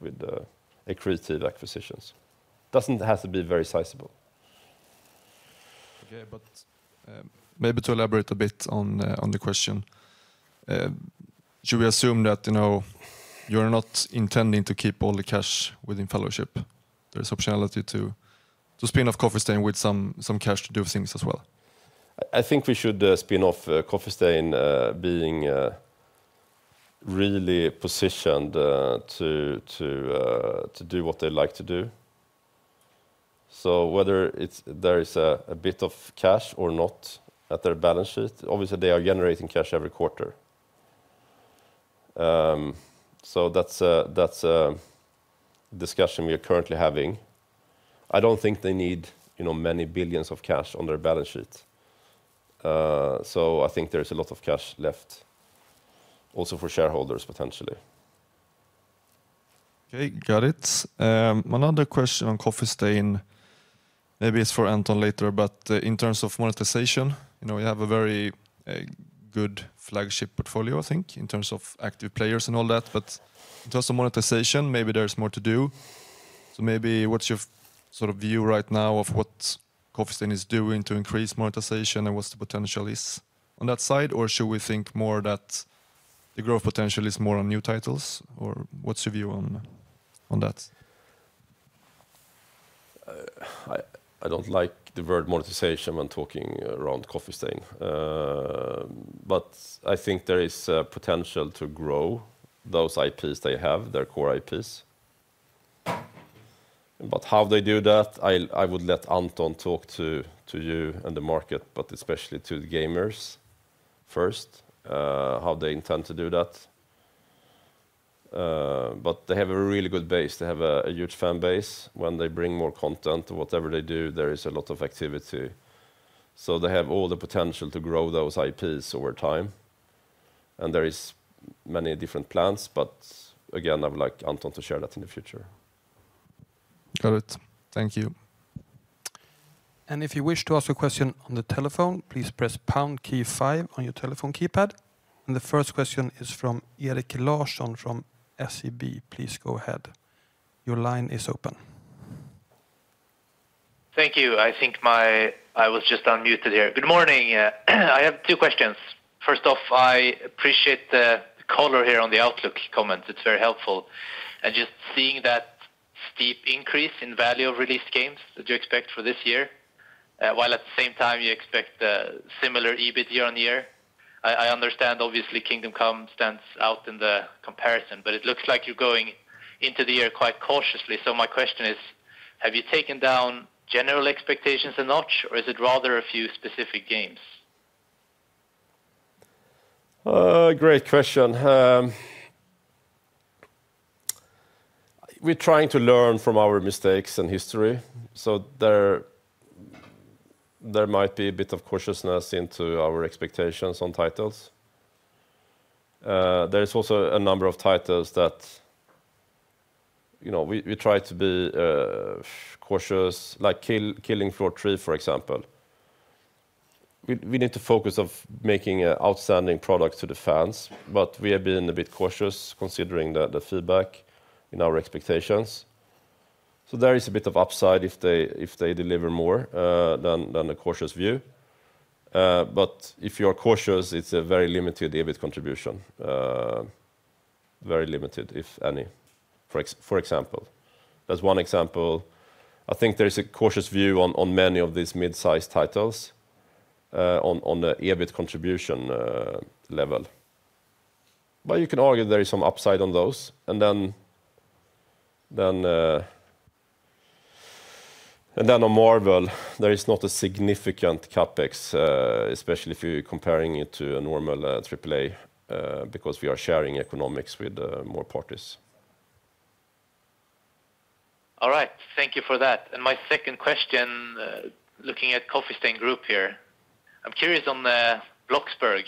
with accretive acquisitions. It does not have to be very sizable. Okay, but maybe to elaborate a bit on the question, should we assume that you are not intending to keep all the cash within Fellowship? There is optionality to spin off Coffee Stain with some cash to do things as well. I think we should spin off Coffee Stain being really positioned to do what they like to do. Whether there is a bit of cash or not at their balance sheet, obviously, they are generating cash every quarter. That is a discussion we are currently having. I do not think they need many billions of cash on their balance sheet. I think there is a lot of cash left also for shareholders, potentially. Okay, got it. One other question on Coffee Stain. Maybe it is for Anton later, but in terms of monetization, we have a very good flagship portfolio, I think, in terms of active players and all that. In terms of monetization, maybe there is more to do. What is your sort of view right now of what Coffee Stain is doing to increase monetization and what the potential is on that side? Should we think more that the growth potential is more on new titles? What is your view on that? I don't like the word monetization when talking around Coffee Stain. I think there is potential to grow those IPs they have, their core IPs. How they do that, I would let Anton talk to you and the market, but especially to the gamers first, how they intend to do that. They have a really good base. They have a huge fan base. When they bring more content or whatever they do, there is a lot of activity. They have all the potential to grow those IPs over time. There are many different plans. Again, I would like Anton to share that in the future. Got it. Thank you. If you wish to ask a question on the telephone, please press pound key five on your telephone keypad. The first question is from Erik Larsson from SEB. Please go ahead. Your line is open. Thank you. I think I was just unmuted here. Good morning. I have two questions. First off, I appreciate the color here on the outlook comments. It's very helpful. And just seeing that steep increase in value of released games that you expect for this year, while at the same time you expect similar EBIT year on year, I understand, obviously, Kingdom Come stands out in the comparison, but it looks like you're going into the year quite cautiously. My question is, have you taken down general expectations a notch, or is it rather a few specific games? Great question. We're trying to learn from our mistakes and history. There might be a bit of cautiousness into our expectations on titles. There is also a number of titles that we try to be cautious, like Killing Floor 3, for example. We need to focus on making an outstanding product to the fans, but we have been a bit cautious considering the feedback in our expectations. There is a bit of upside if they deliver more than a cautious view. If you are cautious, it is a very limited EBIT contribution, very limited, if any, for example. That is one example. I think there is a cautious view on many of these mid-sized titles on the EBIT contribution level. You can argue there is some upside on those. On Marvel, there is not a significant CapEx, especially if you are comparing it to a normal AAA, because we are sharing economics with more parties. All right. Thank you for that. My second question, looking at Coffee Stain Group here, I am curious on the Bloxburg,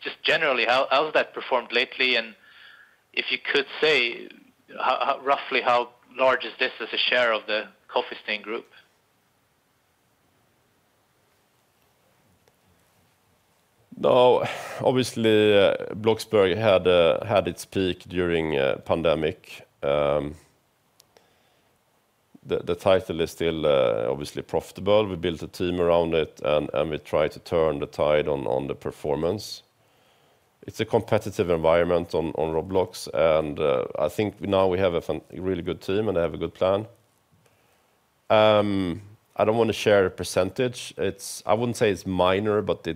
just generally, how has that performed lately? If you could say roughly how large is this as a share of the Coffee Stain Group? No, obviously, Bloxburg had its peak during the pandemic. The title is still obviously profitable. We built a team around it, and we tried to turn the tide on the performance. It's a competitive environment on Roblox. I think now we have a really good team and they have a good plan. I don't want to share a percentage. I wouldn't say it's minor, but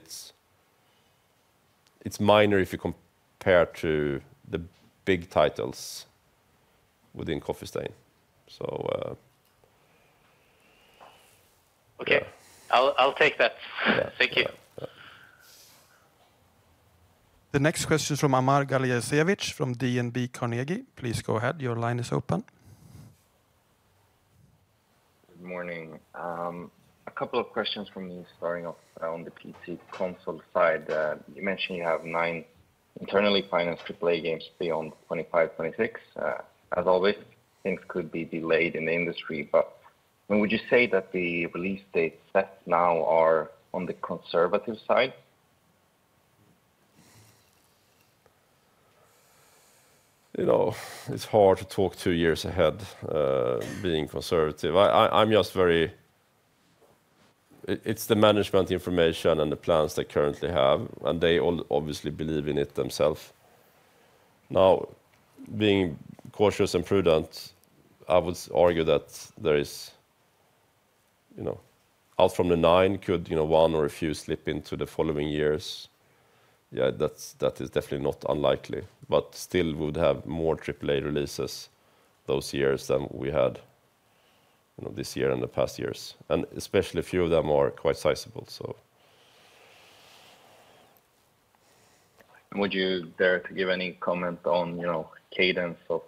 it's minor if you compare to the big titles within Coffee Stain. Okay, I'll take that. Thank you. The next question is from Amar Galijasevic from DNB Carnegie. Please go ahead. Your line is open. Good morning. A couple of questions for me starting off on the PC/Console side. You mentioned you have nine internally financed AAA games beyond 2025-2026. As always, things could be delayed in the industry, but would you say that the release dates set now are on the conservative side? It's hard to talk two years ahead being conservative. It's the management information and the plans they currently have, and they obviously believe in it themselves. Now, being cautious and prudent, I would argue that there is out from the nine could one or a few slip into the following years. Yeah, that is definitely not unlikely, but still would have more AAA releases those years than we had this year and the past years. Especially a few of them are quite sizable, so. Would you dare to give any comment on cadence of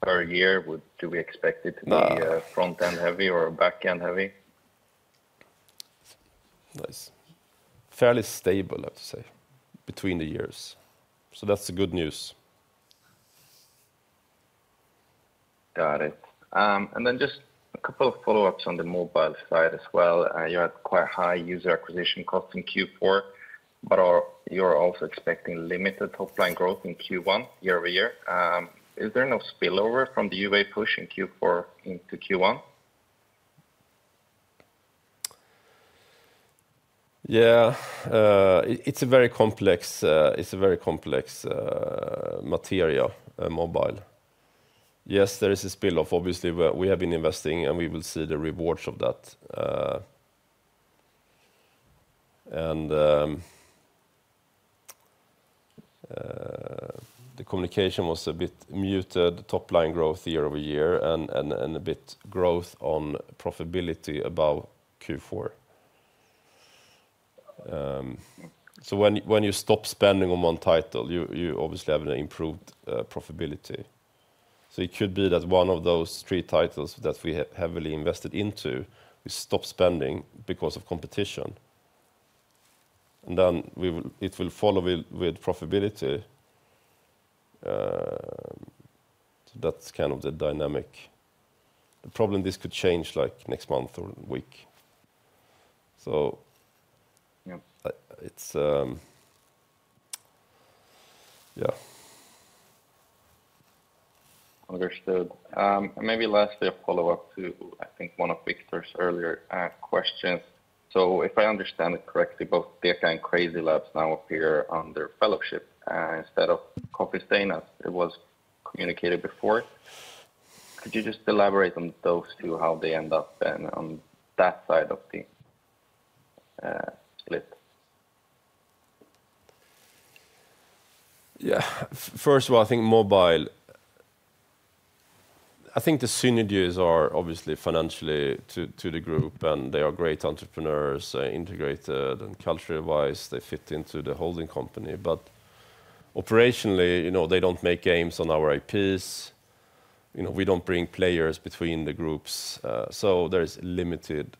per year? Do we expect it to be front-end heavy or back-end heavy? Nice. Fairly stable, I have to say, between the years. That's the good news. Got it. Just a couple of follow-ups on the mobile side as well. You had quite high user acquisition costs in Q4, but you're also expecting limited top-line growth in Q1 year-over-year. Is there no spillover from the UA push in Q4 into Q1? Yeah, it's a very complex material, mobile. Yes, there is a spill-off. Obviously, we have been investing, and we will see the rewards of that. The communication was a bit muted, top-line growth year-over-year, and a bit growth on profitability about Q4. When you stop spending on one title, you obviously have an improved profitability. It could be that one of those three titles that we heavily invested into, we stop spending because of competition. Then it will follow with profitability. That's kind of the dynamic. The problem is this could change like next month or week. Yeah. Understood. Maybe lastly, a follow-up to, I think, one of Viktor's earlier questions. If I understand it correctly, both DECA and CrazyLabs now appear under Fellowship instead of Coffee Stain as it was communicated before. Could you just elaborate on those two, how they end up on that side of the split? Yeah. First of all, I think mobile, I think the synergies are obviously financially to the group, and they are great entrepreneurs, integrated, and culture-wise, they fit into the holding company. Operationally, they do not make games on our IPs. We do not bring players between the groups. There are limited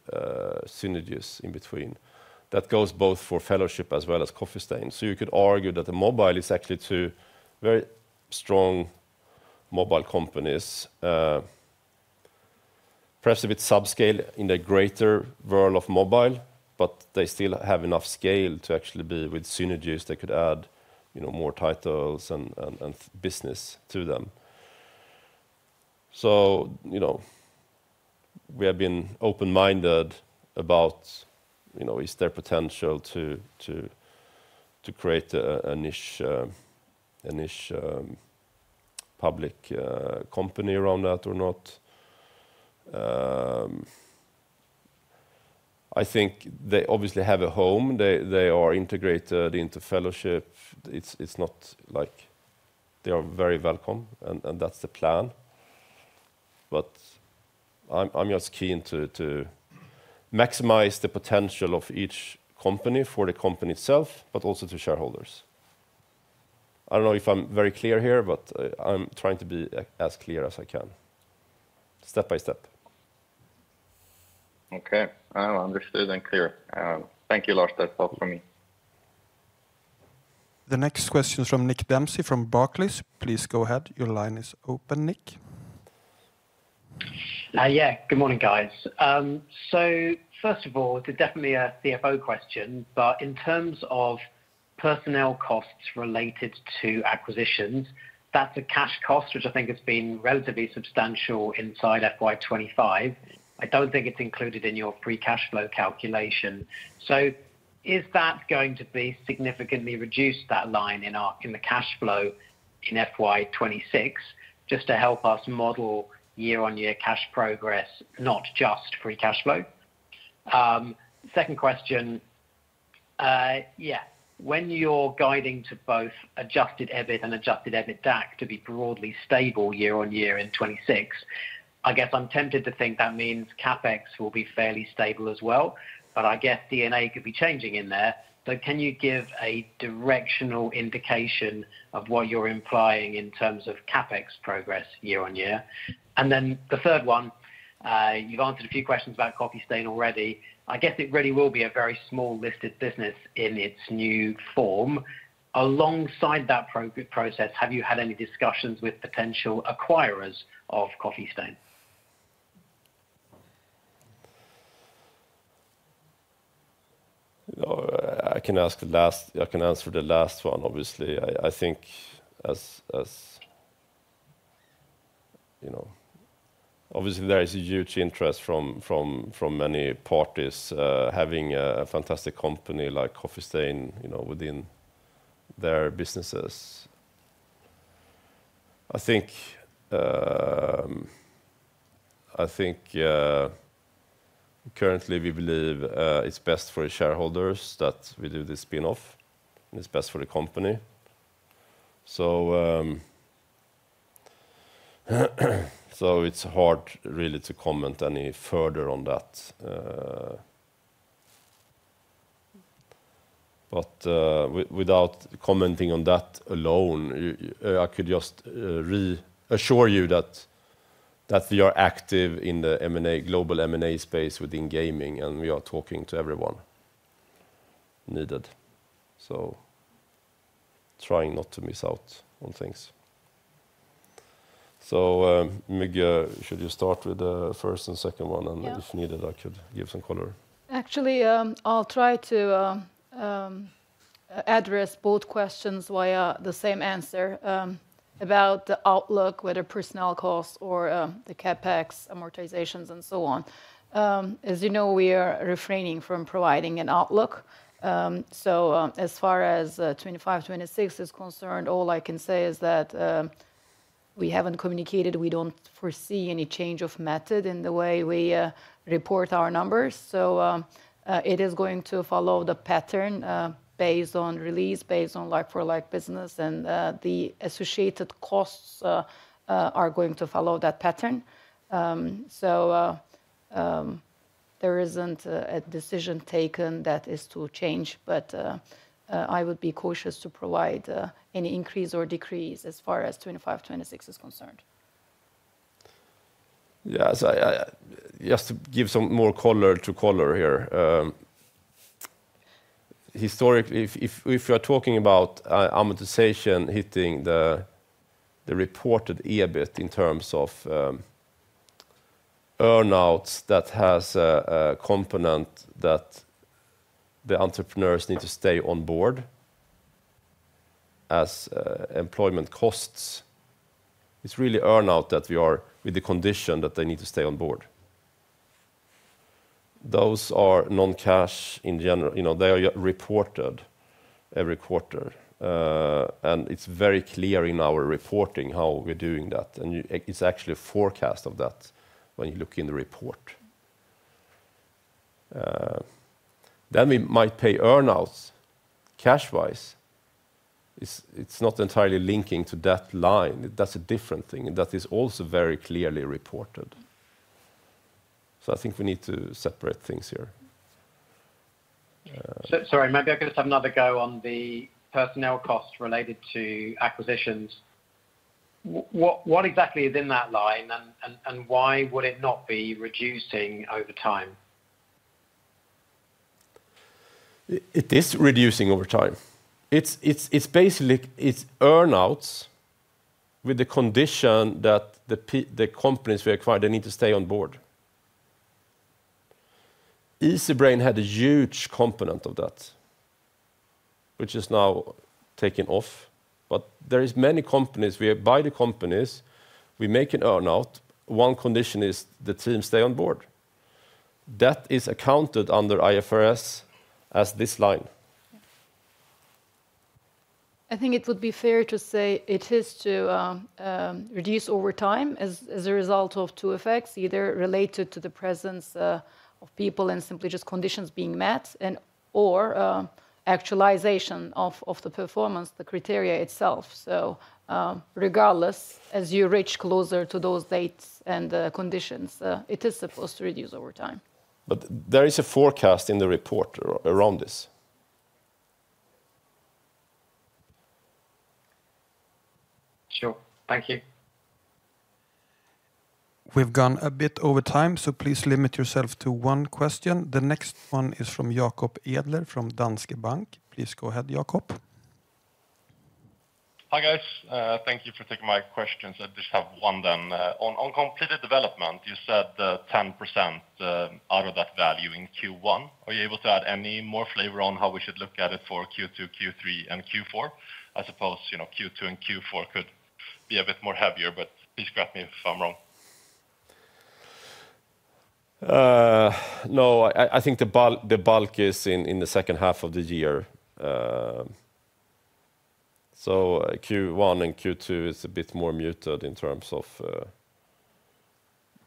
synergies in between. That goes both for Fellowship as well as Coffee Stain. You could argue that the mobile is actually two very strong mobile companies, perhaps a bit subscale in the greater world of mobile, but they still have enough scale to actually be with synergies. They could add more titles and business to them. We have been open-minded about, is there potential to create a niche public company around that or not? I think they obviously have a home. They are integrated into Fellowship. They are very welcome, and that's the plan. I'm just keen to maximize the potential of each company for the company itself, but also to shareholders. I don't know if I'm very clear here, but I'm trying to be as clear as I can, step by step. Okay. Understood and clear. Thank you, Lars. That's all from me. The next question is from Nick Dempsey from Barclays. Please go ahead. Your line is open, Nick. Yeah, good morning, guys. First of all, it's definitely a CFO question, but in terms of personnel costs related to acquisitions, that's a cash cost, which I think has been relatively substantial inside FY 2025. I don't think it's included in your free cash flow calculation. Is that going to be significantly reduced, that line in the cash flow in FY 2026, just to help us model year-on-year cash progress, not just free cash flow? Second question, yeah. When you're guiding to both adjusted EBIT and adjusted EBITDA to be broadly stable year-on-year in 2026, I guess I'm tempted to think that means CapEx will be fairly stable as well. I guess M&A could be changing in there. Can you give a directional indication of what you're implying in terms of CapEx progress year-on-year? Then the third one, you've answered a few questions about Coffee Stain already. I guess it really will be a very small listed business in its new form. Alongside that process, have you had any discussions with potential acquirers of Coffee Stain? I can answer the last one, obviously. I think obviously there is a huge interest from many parties having a fantastic company like Coffee Stain within their businesses. I think currently we believe it's best for shareholders that we do this spin-off. It's best for the company. It's hard really to comment any further on that. Without commenting on that alone, I could just reassure you that we are active in the global M&A space within gaming, and we are talking to everyone needed. Trying not to miss out on things. Müge, should you start with the first and second one? If needed, I could give some color. Actually, I'll try to address both questions via the same answer about the outlook, whether personnel costs or the CapEx amortizations and so on. As you know, we are refraining from providing an outlook. As far as 2025-2026 is concerned, all I can say is that we haven't communicated. We don't foresee any change of method in the way we report our numbers. It is going to follow the pattern based on release, based on like-for-like business, and the associated costs are going to follow that pattern. There isn't a decision taken that is to change, but I would be cautious to provide any increase or decrease as far as 2025-2026 is concerned. Yeah, just to give some more color to color here. Historically, if you're talking about amortization hitting the reported EBIT in terms of earnouts, that has a component that the entrepreneurs need to stay on board as employment costs. It's really earnout that we are with the condition that they need to stay on board. Those are non-cash in general. They are reported every quarter. It is very clear in our reporting how we're doing that. It is actually a forecast of that when you look in the report. We might pay earnouts cash-wise. It's not entirely linking to that line. That's a different thing. That is also very clearly reported. I think we need to separate things here. Sorry, maybe I could just have another go on the personnel costs related to acquisitions. What exactly is in that line, and why would it not be reducing over time? It is reducing over time. It's earnouts with the condition that the companies we acquired, they need to stay on board. Easybrain had a huge component of that, which is now taken off. There are many companies where by the companies, we make an earnout. One condition is the team stay on board. That is accounted under IFRS as this line. I think it would be fair to say it is to reduce over time as a result of two effects, either related to the presence of people and simply just conditions being met, or actualization of the performance, the criteria itself. Regardless, as you reach closer to those dates and conditions, it is supposed to reduce over time. There is a forecast in the report around this. Sure. Thank you. We've gone a bit over time, so please limit yourself to one question. The next one is from Jacob Edler from Danske Bank. Please go ahead, Jacob. Hi guys. Thank you for taking my questions. I just have one then. On completed development, you said 10% out of that value in Q1. Are you able to add any more flavor on how we should look at it for Q2, Q3, and Q4? I suppose Q2 and Q4 could be a bit more heavier, but please correct me if I'm wrong. No, I think the bulk is in the second half of the year. Q1 and Q2 is a bit more muted in terms of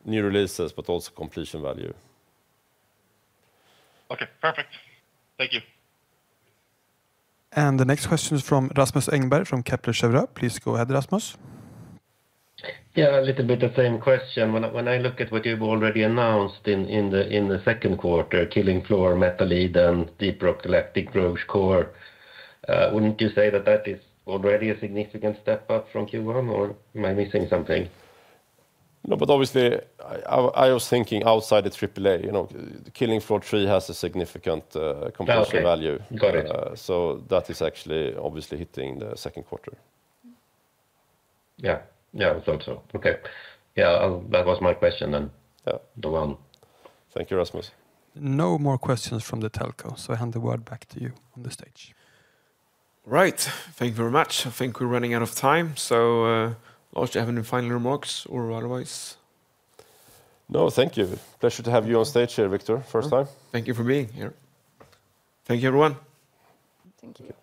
new releases, but also completion value. Okay, perfect. Thank you. The next question is from Rasmus Engberg from Kepler Cheuvreux. Please go ahead, Rasmus. Yeah, a little bit of the same question. When I look at what you've already announced in the second quarter, Killing Floor, Metal Eden, Deep Rock Galactic: Rogue Core, wouldn't you say that is already a significant step up from Q1, or am I missing something? No, but obviously, I was thinking outside the AAA, Killing Floor 3 has a significant competition value. Got it. So that is actually obviously hitting the second quarter. Yeah, yeah, I thought so. Okay. Yeah, that was my question then. Yeah, the one. Thank you, Rasmus. No more questions from the telco. I hand the word back to you on the stage. Right. Thank you very much. I think we're running out of time. Lars, do you have any final remarks or otherwise? No, thank you. Pleasure to have you on stage here, Viktor, first time. Thank you for being here. Thank you, everyone. Thank you.